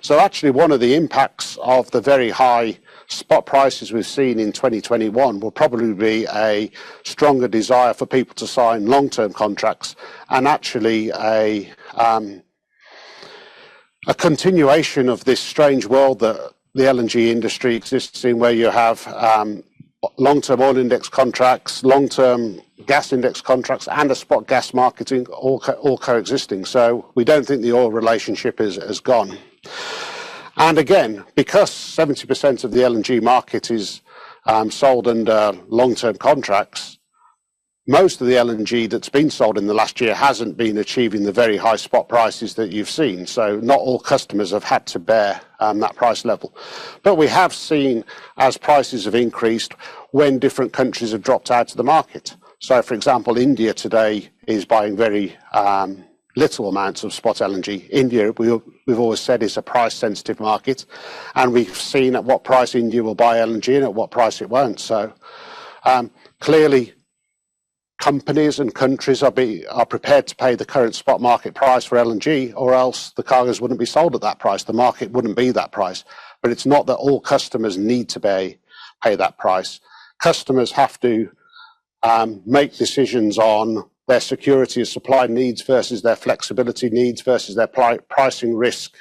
Actually one of the impacts of the very high spot prices we've seen in 2021 will probably be a stronger desire for people to sign long-term contracts and actually a continuation of this strange world that the LNG industry exists in, where you have long-term oil index contracts, long-term gas index contracts, and a spot gas market all coexisting. We don't think the oil relationship is gone. Again, because 70% of the LNG market is sold under long-term contracts, most of the LNG that's been sold in the last year hasn't been achieving the very high spot prices that you've seen. Not all customers have had to bear that price level. We have seen as prices have increased when different countries have dropped out of the market. For example, India today is buying very little amounts of spot LNG. India, we've always said, is a price-sensitive market, and we've seen at what price India will buy LNG and at what price it won't. Clearly, companies and countries are prepared to pay the current spot market price for LNG, or else the cargos wouldn't be sold at that price. The market wouldn't be that price. It's not that all customers need to pay that price. Customers have to make decisions on their security of supply needs versus their flexibility needs versus their pricing risk,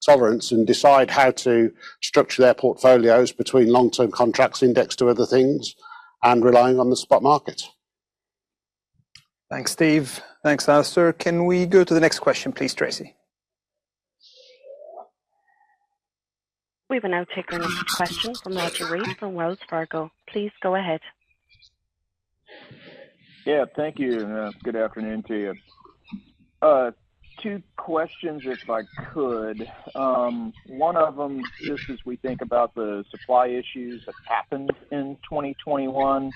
sovereigns and decide how to structure their portfolios between long-term contracts indexed to other things and relying on the spot market. Thanks, Steve. Thanks, Alastair. Can we go to the next question, please, Tracy? We will now take our next question from Roger Read from Wells Fargo. Please go ahead. Yeah, thank you. Good afternoon to you. Two questions, if I could. One of them just as we think about the supply issues that happened in 2021.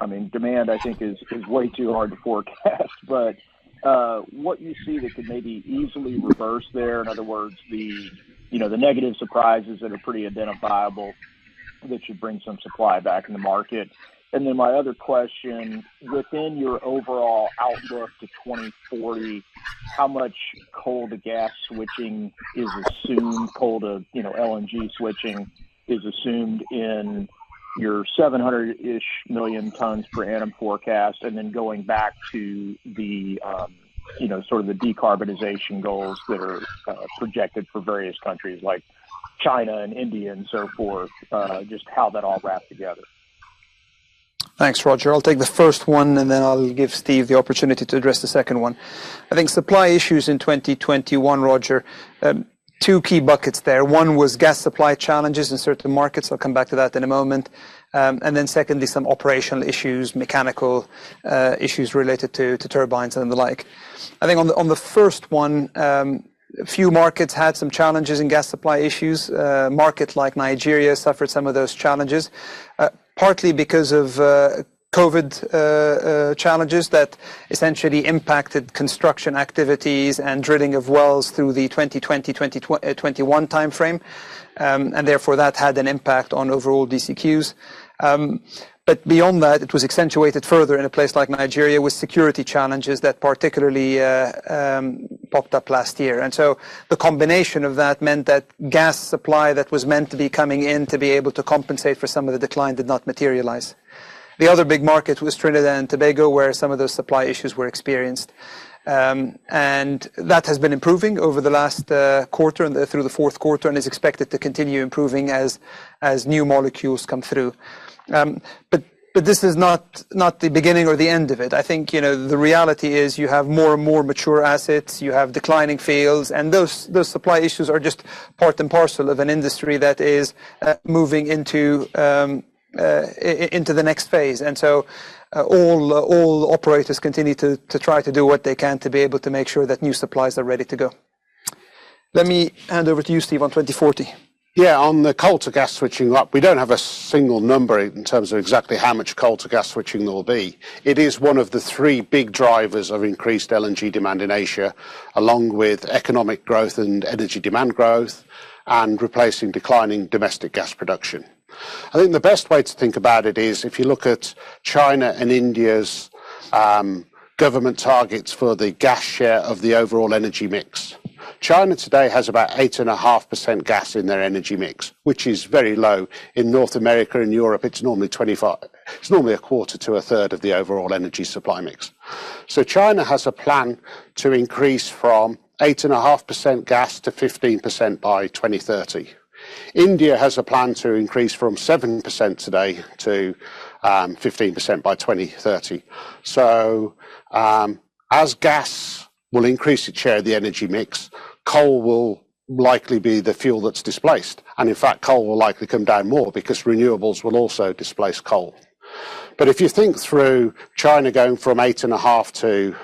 I mean, demand, I think, is way too hard to forecast. What you see that could maybe easily reverse there, in other words, you know, the negative surprises that are pretty identifiable that should bring some supply back in the market. My other question, within your overall outlook to 2040, how much coal to gas switching is assumed, coal to, you know, LNG switching is assumed in your 700-ish million tons per annum forecast? Going back to the, you know, sort of the decarbonization goals that are projected for various countries like China and India and so forth, just how that all wraps together. Thanks, Roger. I'll take the first one, and then I'll give Steve the opportunity to address the second one. I think supply issues in 2021, Roger, two key buckets there. One was gas supply challenges in certain markets. I'll come back to that in a moment. Secondly, some operational issues, mechanical, issues related to turbines and the like. I think on the first one, a few markets had some challenges in gas supply issues. A market like Nigeria suffered some of those challenges, partly because of COVID challenges that essentially impacted construction activities and drilling of wells through the 2021 timeframe. Therefore, that had an impact on overall DCQs. Beyond that, it was accentuated further in a place like Nigeria with security challenges that particularly popped up last year. The combination of that meant that gas supply that was meant to be coming in to be able to compensate for some of the decline did not materialize. The other big market was Trinidad and Tobago, where some of those supply issues were experienced. That has been improving over the last quarter and through the fourth quarter and is expected to continue improving as new molecules come through. This is not the beginning or the end of it. I think, you know, the reality is you have more and more mature assets, you have declining fields, and those supply issues are just part and parcel of an industry that is moving into the next phase. All operators continue to try to do what they can to be able to make sure that new supplies are ready to go. Let me hand over to you, Steve, on 2040. Yeah. On the coal to gas switching up, we don't have a single number in terms of exactly how much coal to gas switching there will be. It is one of the three big drivers of increased LNG demand in Asia, along with economic growth and energy demand growth and replacing declining domestic gas production. I think the best way to think about it is if you look at China and India's government targets for the gas share of the overall energy mix. China today has about 8.5% gas in their energy mix, which is very low. In North America and Europe, it's normally a quarter to a third of the overall energy supply mix. China has a plan to increase from 8.5% gas to 15% by 2030. India has a plan to increase from 7% today to 15% by 2030. As gas will increase its share of the energy mix, coal will likely be the fuel that's displaced. In fact, coal will likely come down more because renewables will also displace coal. If you think through China going from 8.5% to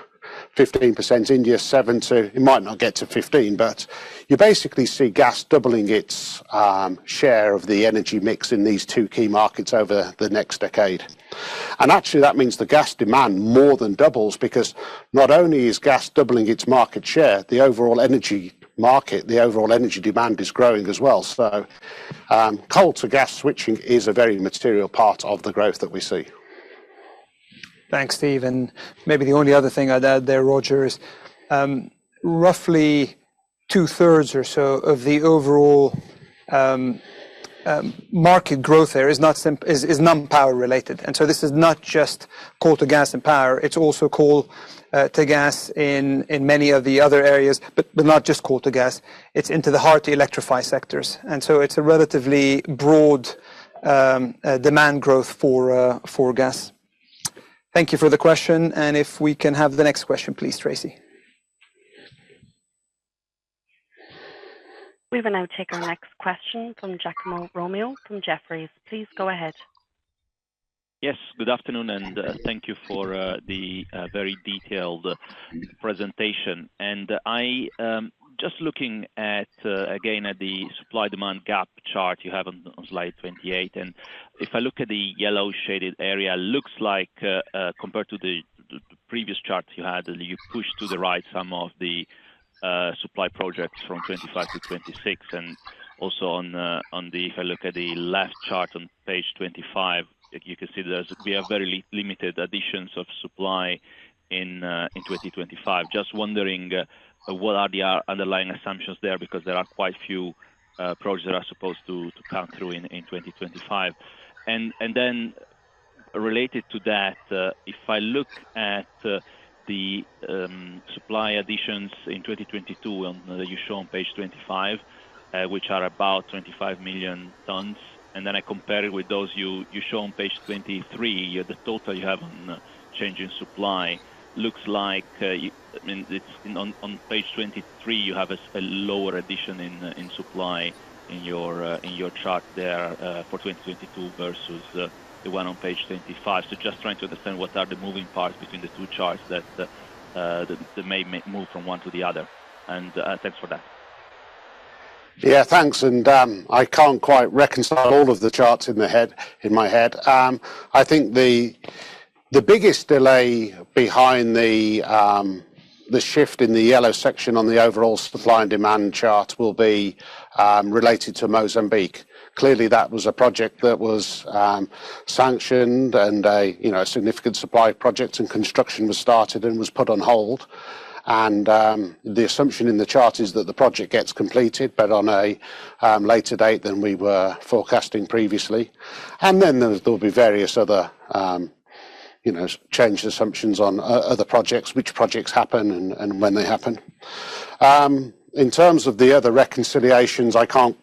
15%, India 7% to. It might not get to 15%, but you basically see gas doubling its share of the energy mix in these two key markets over the next decade. Actually, that means the gas demand more than doubles because not only is gas doubling its market share, the overall energy market, the overall energy demand is growing as well. Coal to gas switching is a very material part of the growth that we see. Thanks, Steve. Maybe the only other thing I'd add there, Roger, is roughly two-thirds or so of the overall market growth there is non-power related. This is not just coal to gas and power. It's also coal to gas in many of the other areas, but not just coal to gas. It's into the hard to electrify sectors. It's a relatively broad demand growth for gas. Thank you for the question. If we can have the next question, please, Tracy. We will now take our next question from Giacomo Romeo from Jefferies. Please go ahead. Yes, good afternoon, and thank you for the very detailed presentation. I just looking at again at the supply demand gap chart you have on slide 28. If I look at the yellow shaded area, looks like compared to the previous charts you had, you pushed to the right some of the- Supply projects from 2025 to 2026. If I look at the left chart on page 25, you can see we have very limited additions of supply in 2025. Just wondering what are the underlying assumptions there because there are quite a few projects that are supposed to come through in 2025. Related to that, if I look at the supply additions in 2022 that you show on page 25, which are about 25 million tons, and then I compare it with those you show on page 23, the total you have on change in supply looks like, I mean, it's. On page 23 you have a lower addition in supply in your chart there for 2022 versus the one on page 25. Just trying to understand what are the moving parts between the two charts that may move from one to the other. Thanks for that. Yeah, thanks. I can't quite reconcile all of the charts in my head. I think the biggest delay behind the shift in the yellow section on the overall supply and demand chart will be related to Mozambique. Clearly, that was a project that was sanctioned and you know, a significant supply project and construction was started and was put on hold. The assumption in the chart is that the project gets completed, but on a later date than we were forecasting previously. Then there'll be various other you know, changed assumptions on other projects, which projects happen and when they happen. In terms of the other reconciliations, I can't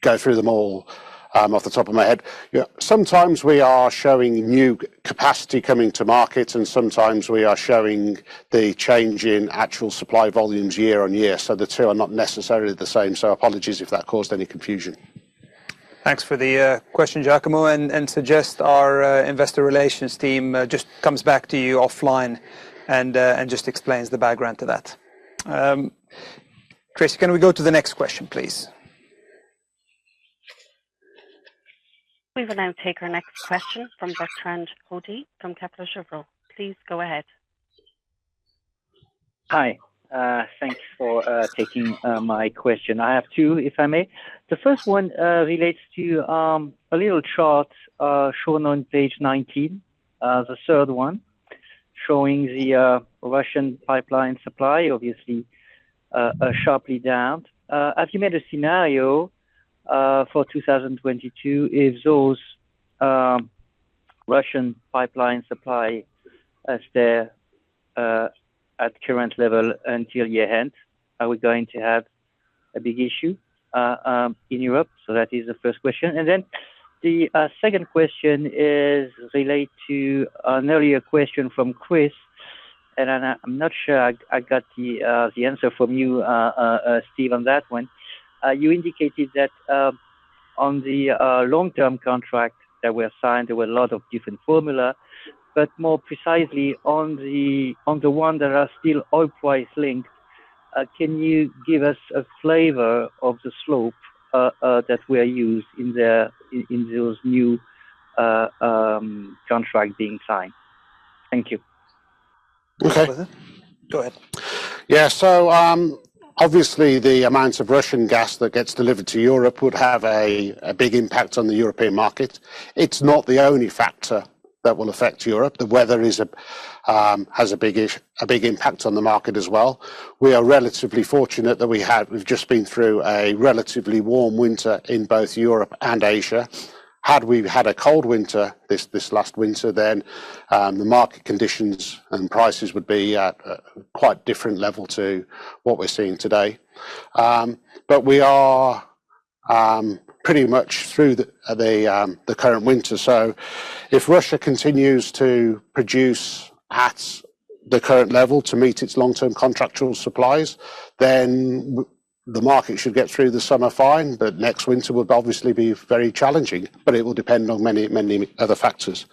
go through them all off the top of my head. Yeah, sometimes we are showing new capacity coming to market, and sometimes we are showing the change in actual supply volumes year on year. The two are not necessarily the same, so apologies if that caused any confusion. Thanks for the question, Giacomo. I suggest our investor relations team just comes back to you offline and just explains the background to that. Chris, can we go to the next question, please? We will now take our next question from Bertrand Hodée from Kepler Cheuvreux. Please go ahead. Hi. Thank you for taking my question. I have two, if I may. The first one relates to a little chart shown on page 19, the third one, showing the Russian pipeline supply, obviously, sharply down. Have you made a scenario for 2022 if those Russian pipeline supply stay at current level until year-end? Are we going to have a big issue in Europe? That is the first question. The second question is related to an earlier question from Chris, and I'm not sure I got the answer from you, Steve, on that one. You indicated that on the long-term contracts that were signed, there were a lot of different formulas. More precisely on the one that are still oil price linked, can you give us a flavor of the slope that were used in those new contract being signed? Thank you. Okay. Go ahead. Obviously the amounts of Russian gas that gets delivered to Europe would have a big impact on the European market. It's not the only factor that will affect Europe. The weather has a big impact on the market as well. We are relatively fortunate that we have just been through a relatively warm winter in both Europe and Asia. Had we had a cold winter this last winter, then the market conditions and prices would be at quite a different level to what we're seeing today. We are pretty much through the current winter. If Russia continues to produce at the current level to meet its long-term contractual supplies, then the market should get through the summer fine, but next winter would obviously be very challenging. It will depend on many, many other factors.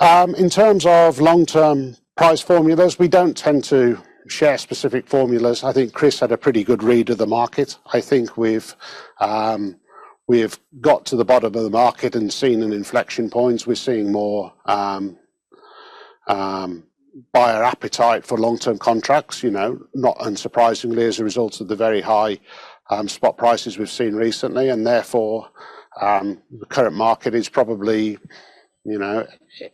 In terms of long-term price formulas, we don't tend to share specific formulas. I think Chris had a pretty good read of the market. I think we've got to the bottom of the market and seen an inflection points. We're seeing more buyer appetite for long-term contracts. You know, not unsurprisingly as a result of the very high spot prices we've seen recently. Therefore, the current market is probably, you know,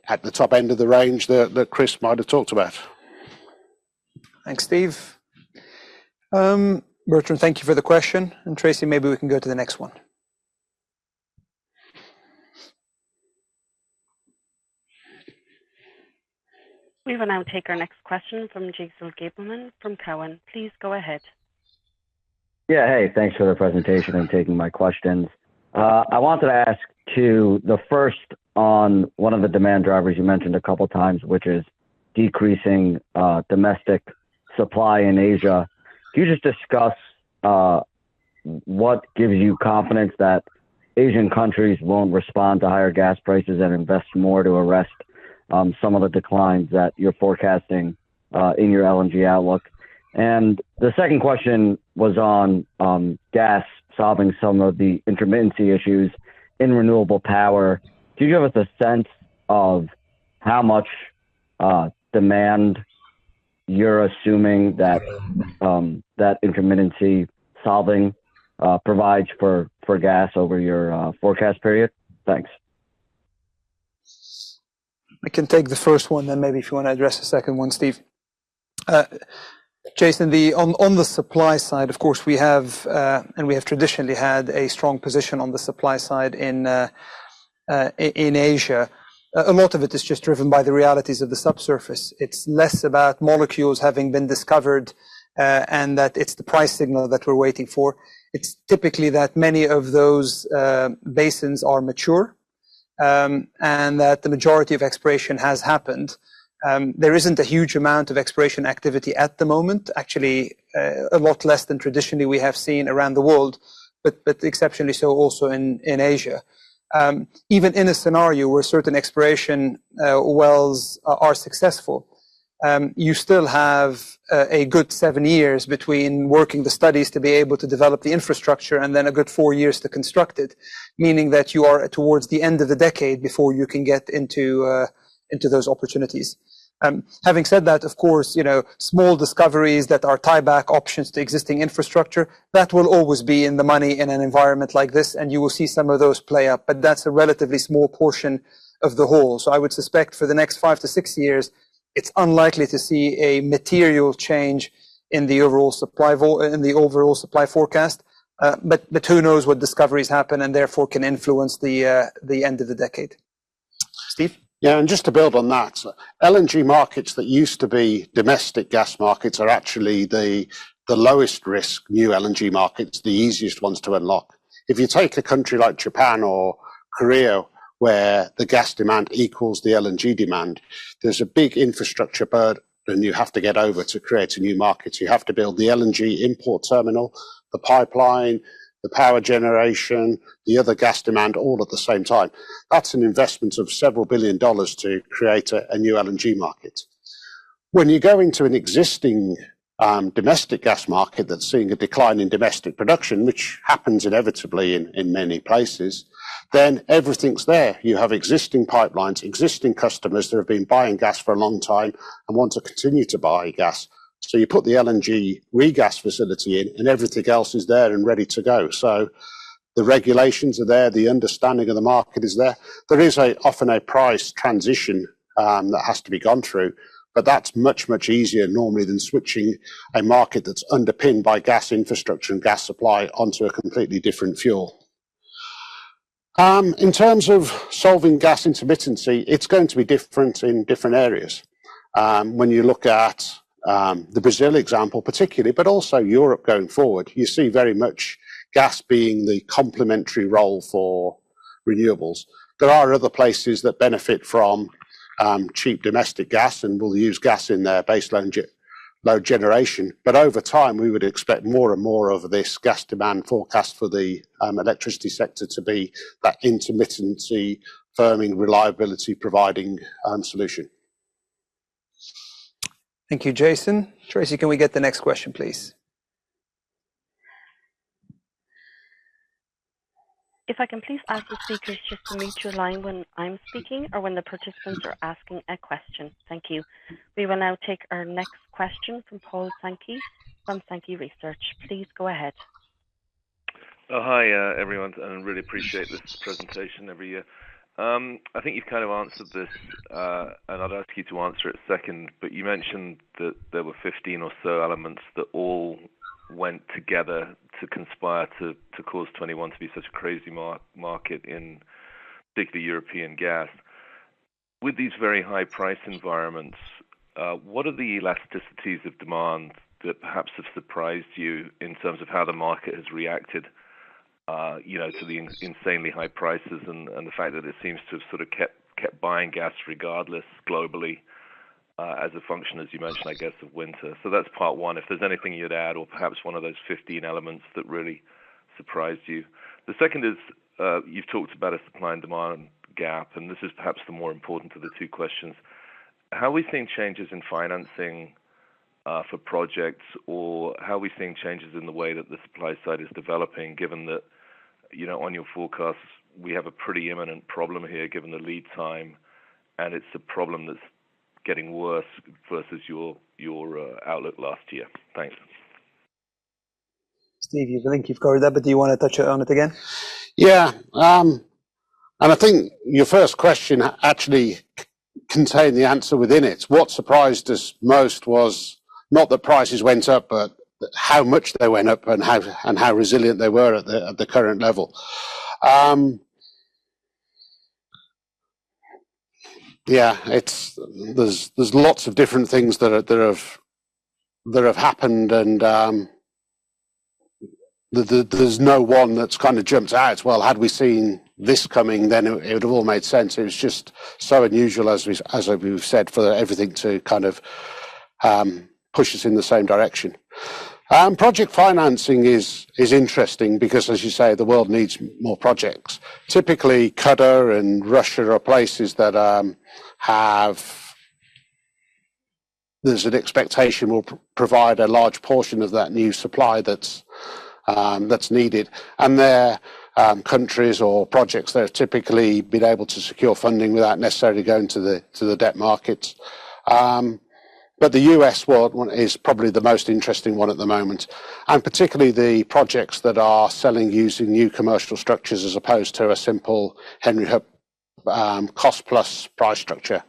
at the top end of the range that Chris might have talked about. Thanks, Steve. Bertrand, thank you for the question. Tracy, maybe we can go to the next one. We will now take our next question from Jason Gabelman from Cowen. Please go ahead. Hey, thanks for the presentation and taking my questions. I wanted to ask two. The first on one of the demand drivers you mentioned a couple of times, which is decreasing domestic supply in Asia. Can you just discuss what gives you confidence that Asian countries won't respond to higher gas prices and invest more to arrest some of the declines that you're forecasting in your LNG Outlook? The second question was on gas solving some of the intermittency issues in renewable power. Can you give us a sense of how much demand you're assuming that intermittency solving provides for gas over your forecast period? Thanks. I can take the first one, then maybe if you wanna address the second one, Steve. Jason, on the supply side, of course, we have traditionally had a strong position on the supply side in Asia. A lot of it is just driven by the realities of the subsurface. It's less about molecules having been discovered, and that it's the price signal that we're waiting for. It's typically that many of those basins are mature, and that the majority of exploration has happened. There isn't a huge amount of exploration activity at the moment. Actually, a lot less than traditionally we have seen around the world, but exceptionally so also in Asia. Even in a scenario where certain exploration wells are successful, you still have a good 7 years between working the studies to be able to develop the infrastructure and then a good 4 years to construct it, meaning that you are towards the end of the decade before you can get into those opportunities. Having said that, of course, you know, small discoveries that are tieback options to existing infrastructure, that will always be in the money in an environment like this, and you will see some of those play out, but that's a relatively small portion of the whole. I would suspect for the next 5-6 years, it's unlikely to see a material change in the overall supply forecast. Who knows what discoveries happen and therefore can influence the end of the decade. Steve? Yeah, just to build on that. LNG markets that used to be domestic gas markets are actually the lowest risk new LNG markets, the easiest ones to unlock. If you take a country like Japan or Korea, where the gas demand equals the LNG demand, there's a big infrastructure burden, and you have to get over to create a new market. You have to build the LNG import terminal, the pipeline, the power generation, the other gas demand all at the same time. That's an investment of $several billion to create a new LNG market. When you go into an existing domestic gas market that's seeing a decline in domestic production, which happens inevitably in many places, then everything's there. You have existing pipelines, existing customers that have been buying gas for a long time and want to continue to buy gas. You put the LNG regas facility in, and everything else is there and ready to go. The regulations are there, the understanding of the market is there. There is often a price transition that has to be gone through, but that's much, much easier normally than switching a market that's underpinned by gas infrastructure and gas supply onto a completely different fuel. In terms of solving gas intermittency, it's going to be different in different areas. When you look at the Brazil example particularly, but also Europe going forward, you see very much gas being the complementary role for renewables. There are other places that benefit from cheap domestic gas and will use gas in their baseline load generation. Over time, we would expect more and more of this gas demand forecast for the electricity sector to be that intermittency, firming, reliability providing solution. Thank you, Jason. Tracy, can we get the next question, please? If I can please ask the speakers just to mute your line when I'm speaking or when the participants are asking a question. Thank you. We will now take our next question from Paul Sankey from Sankey Research. Please go ahead. Hi, everyone. I really appreciate this presentation every year. I think you've kind of answered this, and I'd ask you to answer it second, but you mentioned that there were 15 or so elements that all went together to conspire to cause 2021 to be such a crazy market in particularly European gas. With these very high price environments, what are the elasticities of demand that perhaps have surprised you in terms of how the market has reacted, you know, to the insanely high prices and the fact that it seems to have sort of kept buying gas regardless globally, as a function, as you mentioned, I guess, of winter? That's part one, if there's anything you'd add or perhaps one of those 15 elements that really surprised you. The second is, you've talked about a supply and demand gap, and this is perhaps the more important of the two questions. How are we seeing changes in financing, for projects, or how are we seeing changes in the way that the supply side is developing, given that, you know, on your forecasts, we have a pretty imminent problem here, given the lead time, and it's a problem that's getting worse versus your outlook last year? Thanks. Steve, I think you've covered that, but do you wanna touch on it again? Yeah. I think your first question actually contained the answer within it. What surprised us most was not that prices went up, but how much they went up and how resilient they were at the current level. Yeah, it's there are lots of different things that have happened and, there's no one that's kinda jumped out. Well, had we seen this coming, then it would have all made sense. It was just so unusual, as we've said, for everything to kind of push us in the same direction. Project financing is interesting because, as you say, the world needs more projects. Typically, Qatar and Russia are places that have. There's an expectation we'll provide a large portion of that new supply that's needed. They're countries or projects that have typically been able to secure funding without necessarily going to the debt market. The U.S. one is probably the most interesting one at the moment, and particularly the projects that are selling using new commercial structures as opposed to a simple Henry Hub cost plus price structure.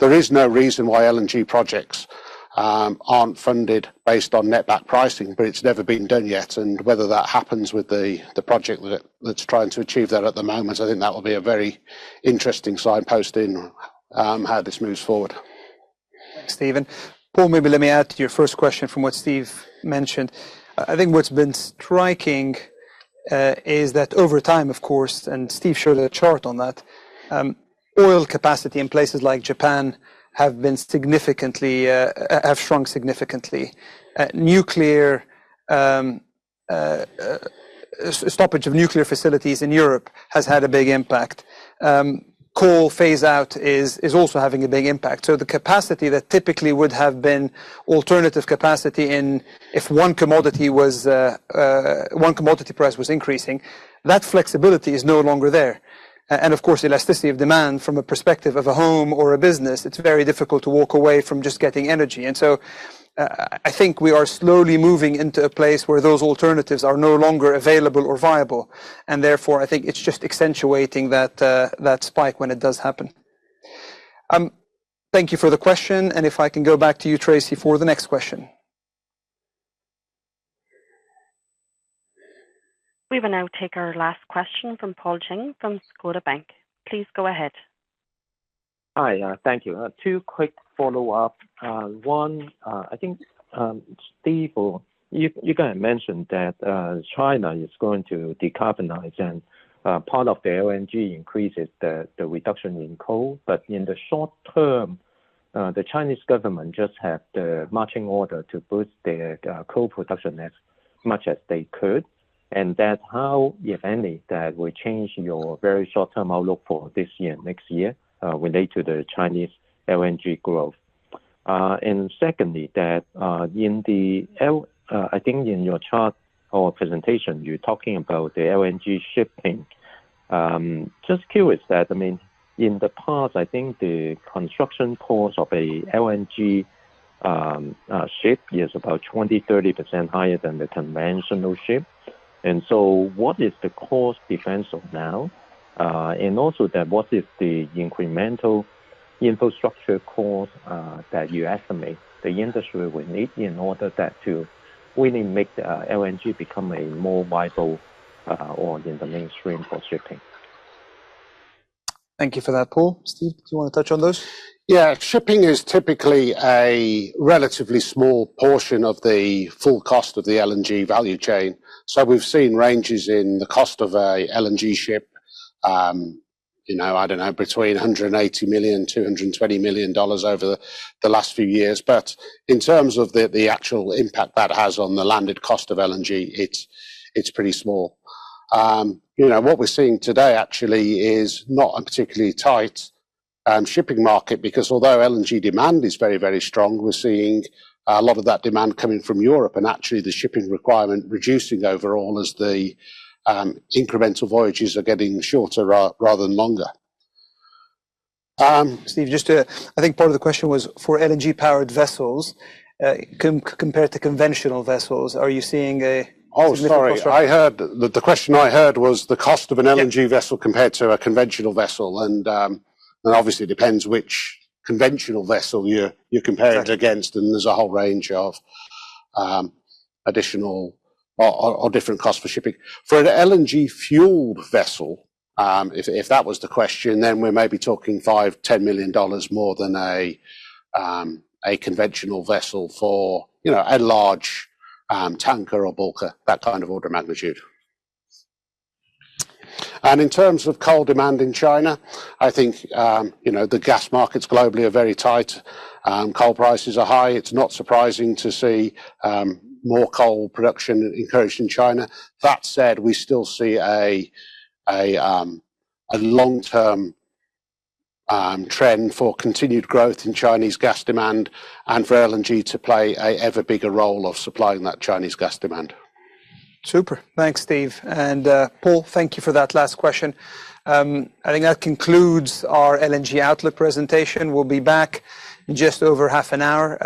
There is no reason why LNG projects aren't funded based on netback pricing, but it's never been done yet. Whether that happens with the project that's trying to achieve that at the moment, I think that will be a very interesting signpost in how this moves forward. Thanks, Steve. Paul, maybe let me add to your first question from what Steve mentioned. I think what's been striking is that over time, of course, and Steve showed a chart on that, oil capacity in places like Japan has shrunk significantly. Nuclear stoppage of nuclear facilities in Europe has had a big impact. Coal phase out is also having a big impact. The capacity that typically would have been alternative capacity, if one commodity price was increasing, that flexibility is no longer there. Of course, elasticity of demand from a perspective of a home or a business, it's very difficult to walk away from just getting energy. I think we are slowly moving into a place where those alternatives are no longer available or viable, and therefore, I think it's just accentuating that spike when it does happen. Thank you for the question, and if I can go back to you, Tracy, for the next question. We will now take our last question from Paul Cheng from Scotiabank. Please go ahead. Hi. Thank you. Two quick follow-up. One, I think, Steve or you kinda mentioned that, China is going to decarbonize and, part of the LNG increases the reduction in coal. But in the short term, the Chinese government just have the marching orders to boost their, coal production as much as they could. And how, if any, that will change your very short-term outlook for this year, next year, related to the Chinese LNG growth. And secondly, in the LNG, I think in your chart or presentation, you're talking about the LNG shipping. Just curious that, I mean, in the past, I think the construction cost of an LNG ship is about 20%-30% higher than the conventional ship. And so what is the cost difference now? What is the incremental infrastructure cost that you estimate the industry will need in order to really make the LNG become a more viable or in the mainstream for shipping? Thank you for that, Paul. Steve, do you wanna touch on those? Yeah. Shipping is typically a relatively small portion of the full cost of the LNG value chain. We've seen ranges in the cost of a LNG ship, you know, I don't know, between $180 million and $220 million dollars over the last few years. In terms of the actual impact that has on the landed cost of LNG, it's pretty small. You know, what we're seeing today actually is not a particularly tight shipping market because although LNG demand is very, very strong, we're seeing a lot of that demand coming from Europe and actually the shipping requirement reducing overall as the incremental voyages are getting shorter rather than longer. Steve, just to, I think part of the question was for LNG powered vessels, compared to conventional vessels, are you seeing a- Sorry. Significant- I heard the question I heard was the cost of an LNG vessel compared to a conventional vessel. Obviously it depends which conventional vessel you're comparing it against. Right. There's a whole range of additional or different costs for shipping. For an LNG-fueled vessel, if that was the question, then we're maybe talking $5 million-$10 million more than a conventional vessel for, you know, a large tanker or bulker, that kind of order magnitude. In terms of coal demand in China, I think, you know, the gas markets globally are very tight. Coal prices are high. It's not surprising to see more coal production encouraged in China. That said, we still see a long-term trend for continued growth in Chinese gas demand and for LNG to play a ever bigger role of supplying that Chinese gas demand. Super. Thanks, Steve. Paul, thank you for that last question. I think that concludes our LNG Outlook presentation. We'll be back in just over half an hour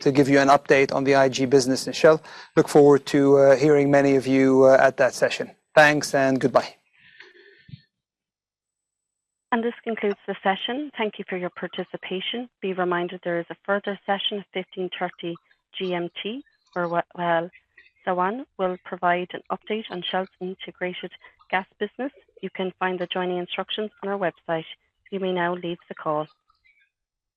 to give you an update on the IG business in Shell. Look forward to hearing many of you at that session. Thanks and goodbye. This concludes the session. Thank you for your participation. Be reminded there is a further session at 3:30 P.M. GMT, where Wael Sawan will provide an update on Shell's Integrated Gas business. You can find the joining instructions on our website. You may now leave the call.